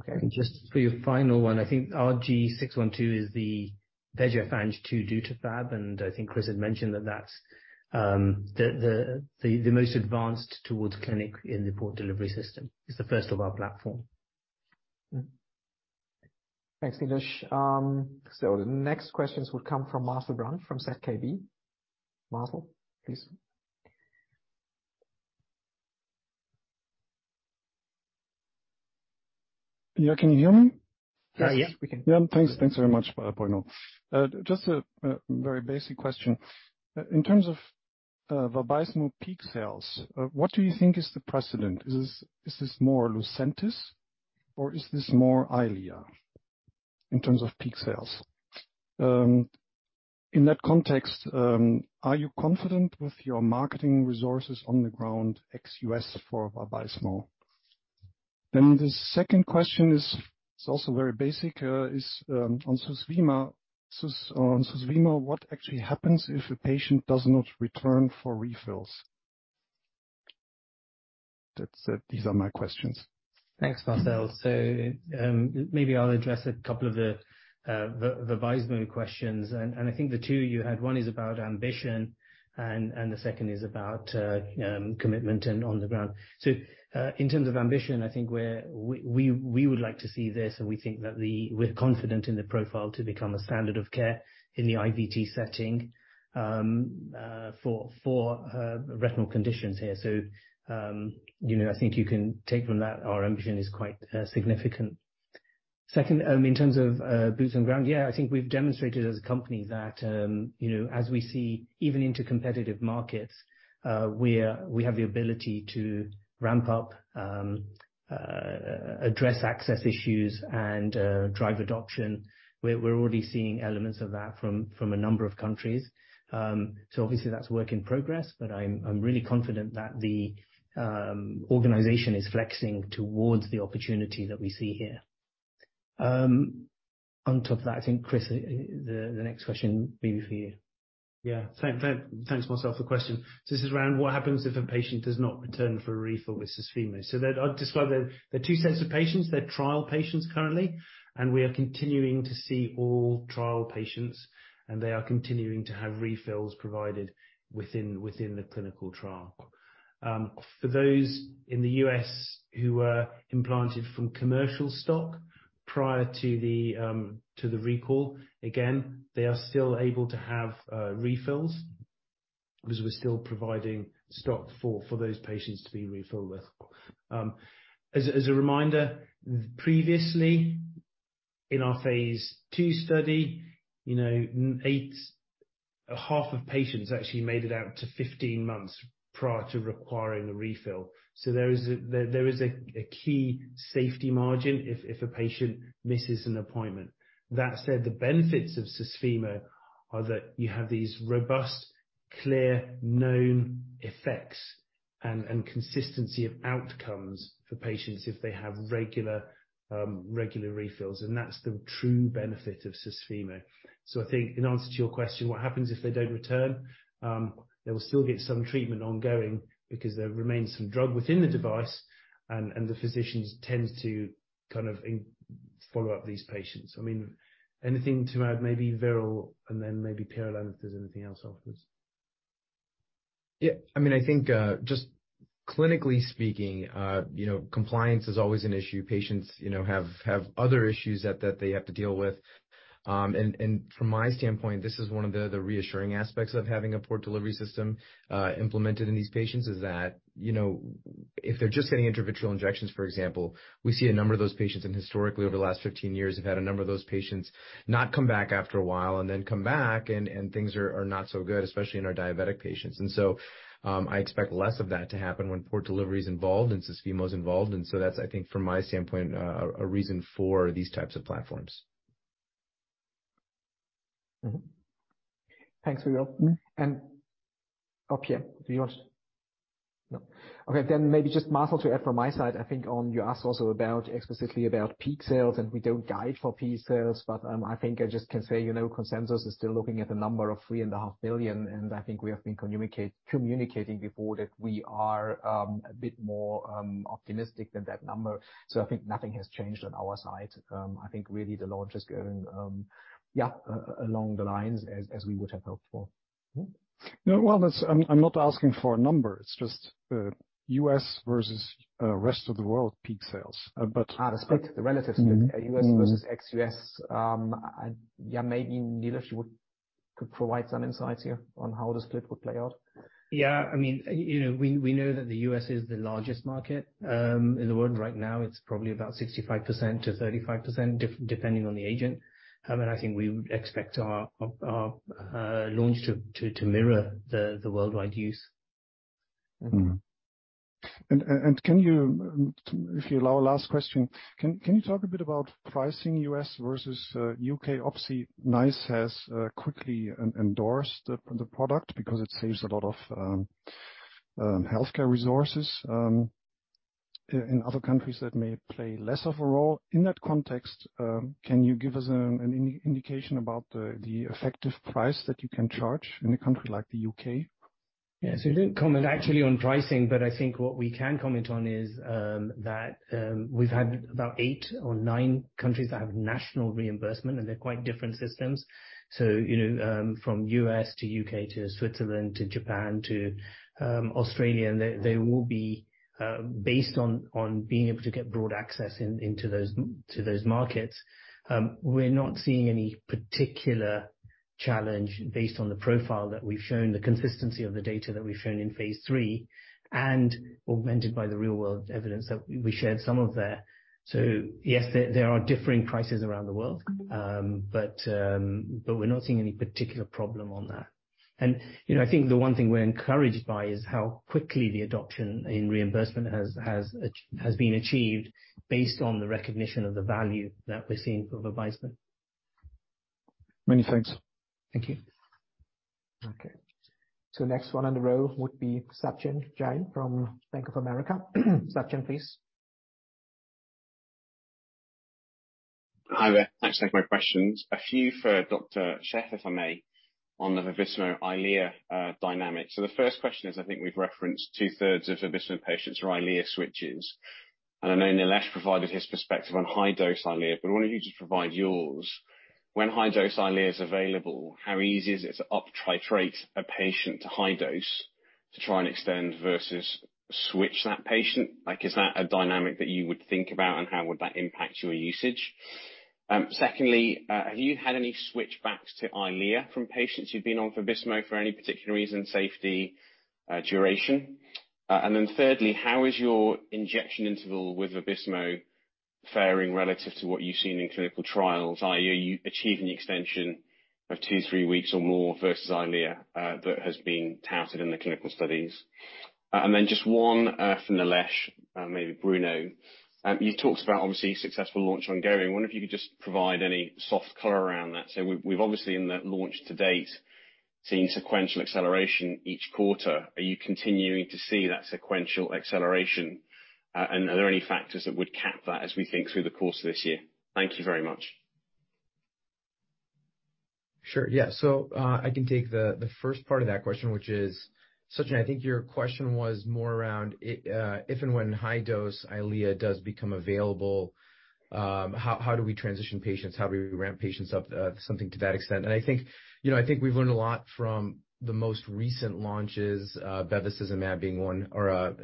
Okay. Just for your final one, I think RG6120 is the bevacizumab DutaFab. I think Chris had mentioned that's the most advanced towards clinic in the Port Delivery System. It's the first of our platform. Thanks, Nilesh. The next questions will come from Peter Welford from Jefferies. Peter, please. Yeah. Can you hear me? Yeah. Yeah, we can. Yeah. Thanks. Thanks very much, Bruno. Just a very basic question. In terms of Vabysmo peak sales, what do you think is the precedent? Is this more LUCENTIS or is this more EYLEA in terms of peak sales? In that context, are you confident with your marketing resources on the ground, ex-U.S. for Vabysmo? The second question is, it's also very basic, is on Susvimo. On Susvimo what actually happens if a patient does not return for refills? That's it. These are my questions. Thanks, Marcel. Maybe I'll address a couple of the Vabysmo questions. I think the two you had, one is about ambition and the second is about commitment and on the ground. In terms of ambition, I think we would like to see this and we think that We're confident in the profile to become a standard of care in the IVT setting for retinal conditions here. You know, I think you can take from that our ambition is quite significant. Second, in terms of boots on ground, I think we've demonstrated as a company that, you know, as we see even into competitive markets, we have the ability to ramp up, address access issues and drive adoption. We're already seeing elements of that from a number of countries. Obviously that's work in progress, but I'm really confident that the organization is flexing towards the opportunity that we see here. On top of that, I think, Chris, the next question may be for you. Thanks Marcel for the question. This is around what happens if a patient does not return for a refill with Susvimo. I'll describe the two sets of patients. They're trial patients currently, and we are continuing to see all trial patients, and they are continuing to have refills provided within the clinical trial. For those in the U.S. who were implanted from commercial stock prior to the recall, again, they are still able to have refills because we're still providing stock for those patients to be refilled with. As a reminder, previously in our phase II study, you know, Half of patients actually made it out to 15 months prior to requiring a refill. There is a key safety margin if a patient misses an appointment. That said, the benefits of Susvimo are that you have these robust, clear, known effects and consistency of outcomes for patients if they have regular refills. That's the true benefit of Susvimo. I think in answer to your question, what happens if they don't return? They will still get some treatment ongoing because there remains some drug within the device and the physicians tend to kind of follow up these patients. I mean, anything to add? Maybe Viral and then maybe Pierre-Alain, if there's anything else afterwards. Yeah. I mean, I think. Clinically speaking, you know, compliance is always an issue. Patients, you know, have other issues that they have to deal with. From my standpoint, this is one of the reassuring aspects of having a Port Delivery System implemented in these patients, is that, you know, if they're just getting intravitreal injections, for example, we see a number of those patients, and historically, over the last 15 years, have had a number of those patients not come back after a while and then come back and things are not so good, especially in our diabetic patients. I expect less of that to happen when Port Delivery is involved and Susvimo is involved. That's, I think, from my standpoint, a reason for these types of platforms. Thanks, Will. Oh, Pierre, do you want to? No. Okay, maybe just Marcel to add from my side. I think, you asked also about, explicitly about peak sales, we don't guide for peak sales. I think I just can say, you know, consensus is still looking at the number of 3.5 billion CHF, I think we have been communicating before that we are a bit more optimistic than that number. I think nothing has changed on our side. I think really the launch is going, yeah, along the lines as we would have hoped for. Well, that's, I'm not asking for a number. It's just U.S. versus rest of the world peak sales. The split. The relative split. Mm-hmm U.S. versus ex-U.S. maybe Nilesh could provide some insights here on how the split would play out. Yeah. I mean, you know, we know that the U.S. is the largest market in the world right now. It's probably about 65%-35%, depending on the agent. I think we expect our launch to mirror the worldwide use. Can you, if you allow a last question, can you talk a bit about pricing U.S. versus U.K.? Obviously, NICE has quickly endorsed the product because it saves a lot of healthcare resources. In other countries that may play less of a role. In that context, can you give us an indication about the effective price that you can charge in a country like the U.K.? Yeah. We don't comment actually on pricing, but I think what we can comment on is that we've had about 8 or 9 countries that have national reimbursement, and they're quite different systems. You know, from U.S to U.K. to Switzerland to Japan to Australia. They will be based on being able to get broad access into those, to those markets. We're not seeing any particular challenge based on the profile that we've shown, the consistency of the data that we've shown in phase III, and augmented by the real-world evidence that we shared some of there. Yes, there are differing prices around the world. But we're not seeing any particular problem on that. You know, I think the one thing we're encouraged by is how quickly the adoption in reimbursement has been achieved based on the recognition of the value that we're seeing from Vabysmo. Many thanks. Thank you. Okay. Next one on the row would be Sachin Jain from Bank of America. Sachin, please. Hi there. Thanks for taking my questions. A few for Dr. Sheth, if I may, on the Vabysmo Eylea dynamic. The first question is, I think we've referenced 2/3 of Vabysmo patients are Eylea switches. I know Nilesh provided his perspective on high-dose Eylea, but I wonder if you could provide yours. When high-dose Eylea is available, how easy is it to uptitrate a patient to high dose to try and extend versus switch that patient? Like, is that a dynamic that you would think about, and how would that impact your usage? Secondly, have you had any switchbacks to EYLEA from patients who've been on Vabysmo for any particular reason, safety, duration? Then thirdly, how is your injection interval with Vabysmo faring relative to what you've seen in clinical trials, i.e. are you achieving the extension of 2, 3 weeks or more versus EYLEA, that has been touted in the clinical studies? Just one, for Nilesh, maybe Bruno. You talked about obviously successful launch ongoing. I wonder if you could just provide any soft color around that. We've obviously in the launch to date seen sequential acceleration each quarter. Are you continuing to see that sequential acceleration? Are there any factors that would cap that as we think through the course of this year? Thank you very much. Sure. Yeah. I can take the first part of that question, which is, Sachin, I think your question was more around if and when high-dose EYLEA does become available, how do we transition patients? How do we ramp patients up? Something to that extent. I think, you know, I think we've learned a lot from the most recent launches, bevacizumab being one or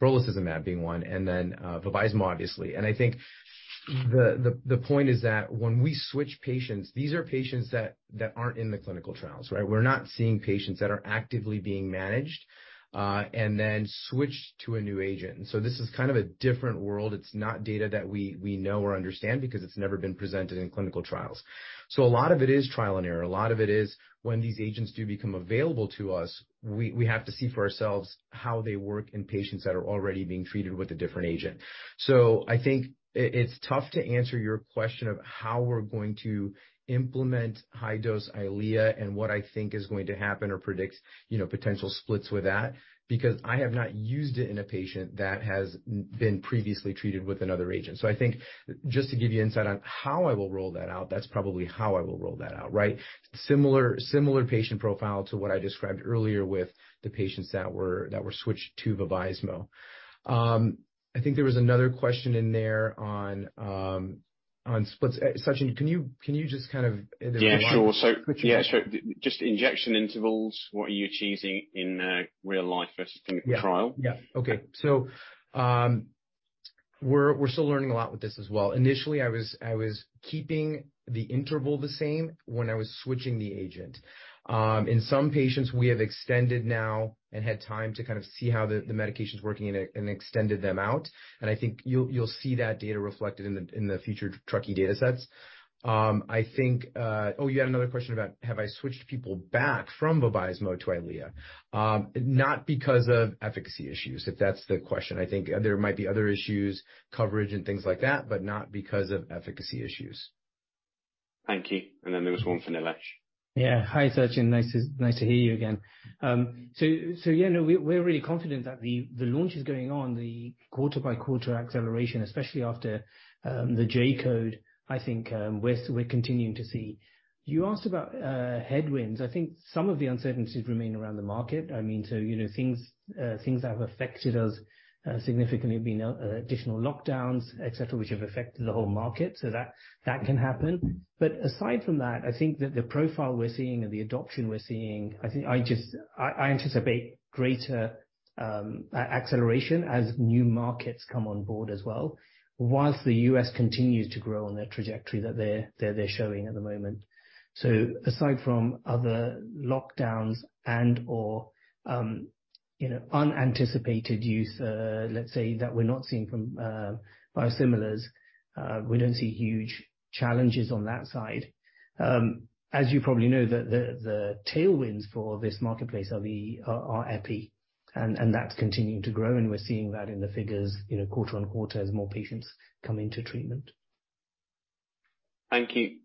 brolucizumab being one and then Vabysmo obviously. I think the point is that when we switch patients, these are patients that aren't in the clinical trials, right? We're not seeing patients that are actively being managed and then switched to a new agent. This is kind of a different world. It's not data that we know or understand because it's never been presented in clinical trials. A lot of it is trial and error. A lot of it is when these agents do become available to us, we have to see for ourselves how they work in patients that are already being treated with a different agent. I think it's tough to answer your question of how we're going to implement high-dose EYLEA and what I think is going to happen or predict, you know, potential splits with that, because I have not used it in a patient that has been previously treated with another agent. I think just to give you insight on how I will roll that out, that's probably how I will roll that out, right? Similar patient profile to what I described earlier with the patients that were switched to Vabysmo. I think there was another question in there on splits. Sachin, can you just kind of? Yeah, sure. Which- Yeah, sure. Just injection intervals, what are you achieving in real life versus-? Yeah. clinical trial? Yeah. Okay. We're still learning a lot with this as well. Initially, I was keeping the interval the same when I was switching the agent. In some patients, we have extended now and had time to kind of see how the medication's working and extended them out. I think you'll see that data reflected in the future TRUCKEE data sets. I think. Oh, you had another question about have I switched people back from Vabysmo to EYLEA? Not because of efficacy issues, if that's the question. I think there might be other issues, coverage and things like that, but not because of efficacy issues. Thank you. There was one from Nilesh. Hi, Sachin. Nice to hear you again. We're really confident that the launch is going on, the quarter-by-quarter acceleration, especially after the J-code. I think we're continuing to see. You asked about headwinds. I think some of the uncertainties remain around the market. Things that have affected us significantly being additional lockdowns, et cetera, which have affected the whole market, so that can happen. Aside from that, I think that the profile we're seeing and the adoption we're seeing, I anticipate greater acceleration as new markets come on board as well, whilst the U.S. continues to grow on their trajectory that they're showing at the moment. Aside from other lockdowns and/or, you know, unanticipated use, let's say, that we're not seeing from biosimilars, we don't see huge challenges on that side. As you probably know, the tailwinds for this marketplace are the EPI and that's continuing to grow and we're seeing that in the figures, you know, quarter on quarter as more patients come into treatment. Thank you.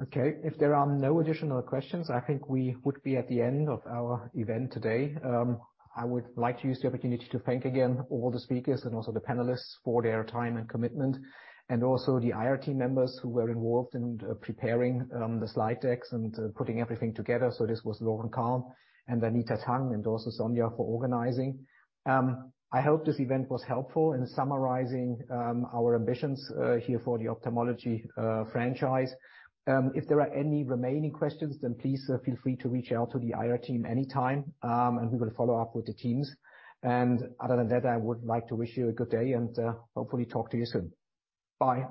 Okay. If there are no additional questions, I think we would be at the end of our event today. I would like to use the opportunity to thank again all the speakers and also the panelists for their time and commitment, and also the IR team members who were involved in preparing the slide decks and putting everything together. This was Loren Kalm and Anita Tang, and also Sonya for organizing. I hope this event was helpful in summarizing our ambitions here for the ophthalmology franchise. If there are any remaining questions, then please feel free to reach out to the IR team anytime, and we will follow up with the teams. Other than that, I would like to wish you a good day and hopefully talk to you soon. Bye.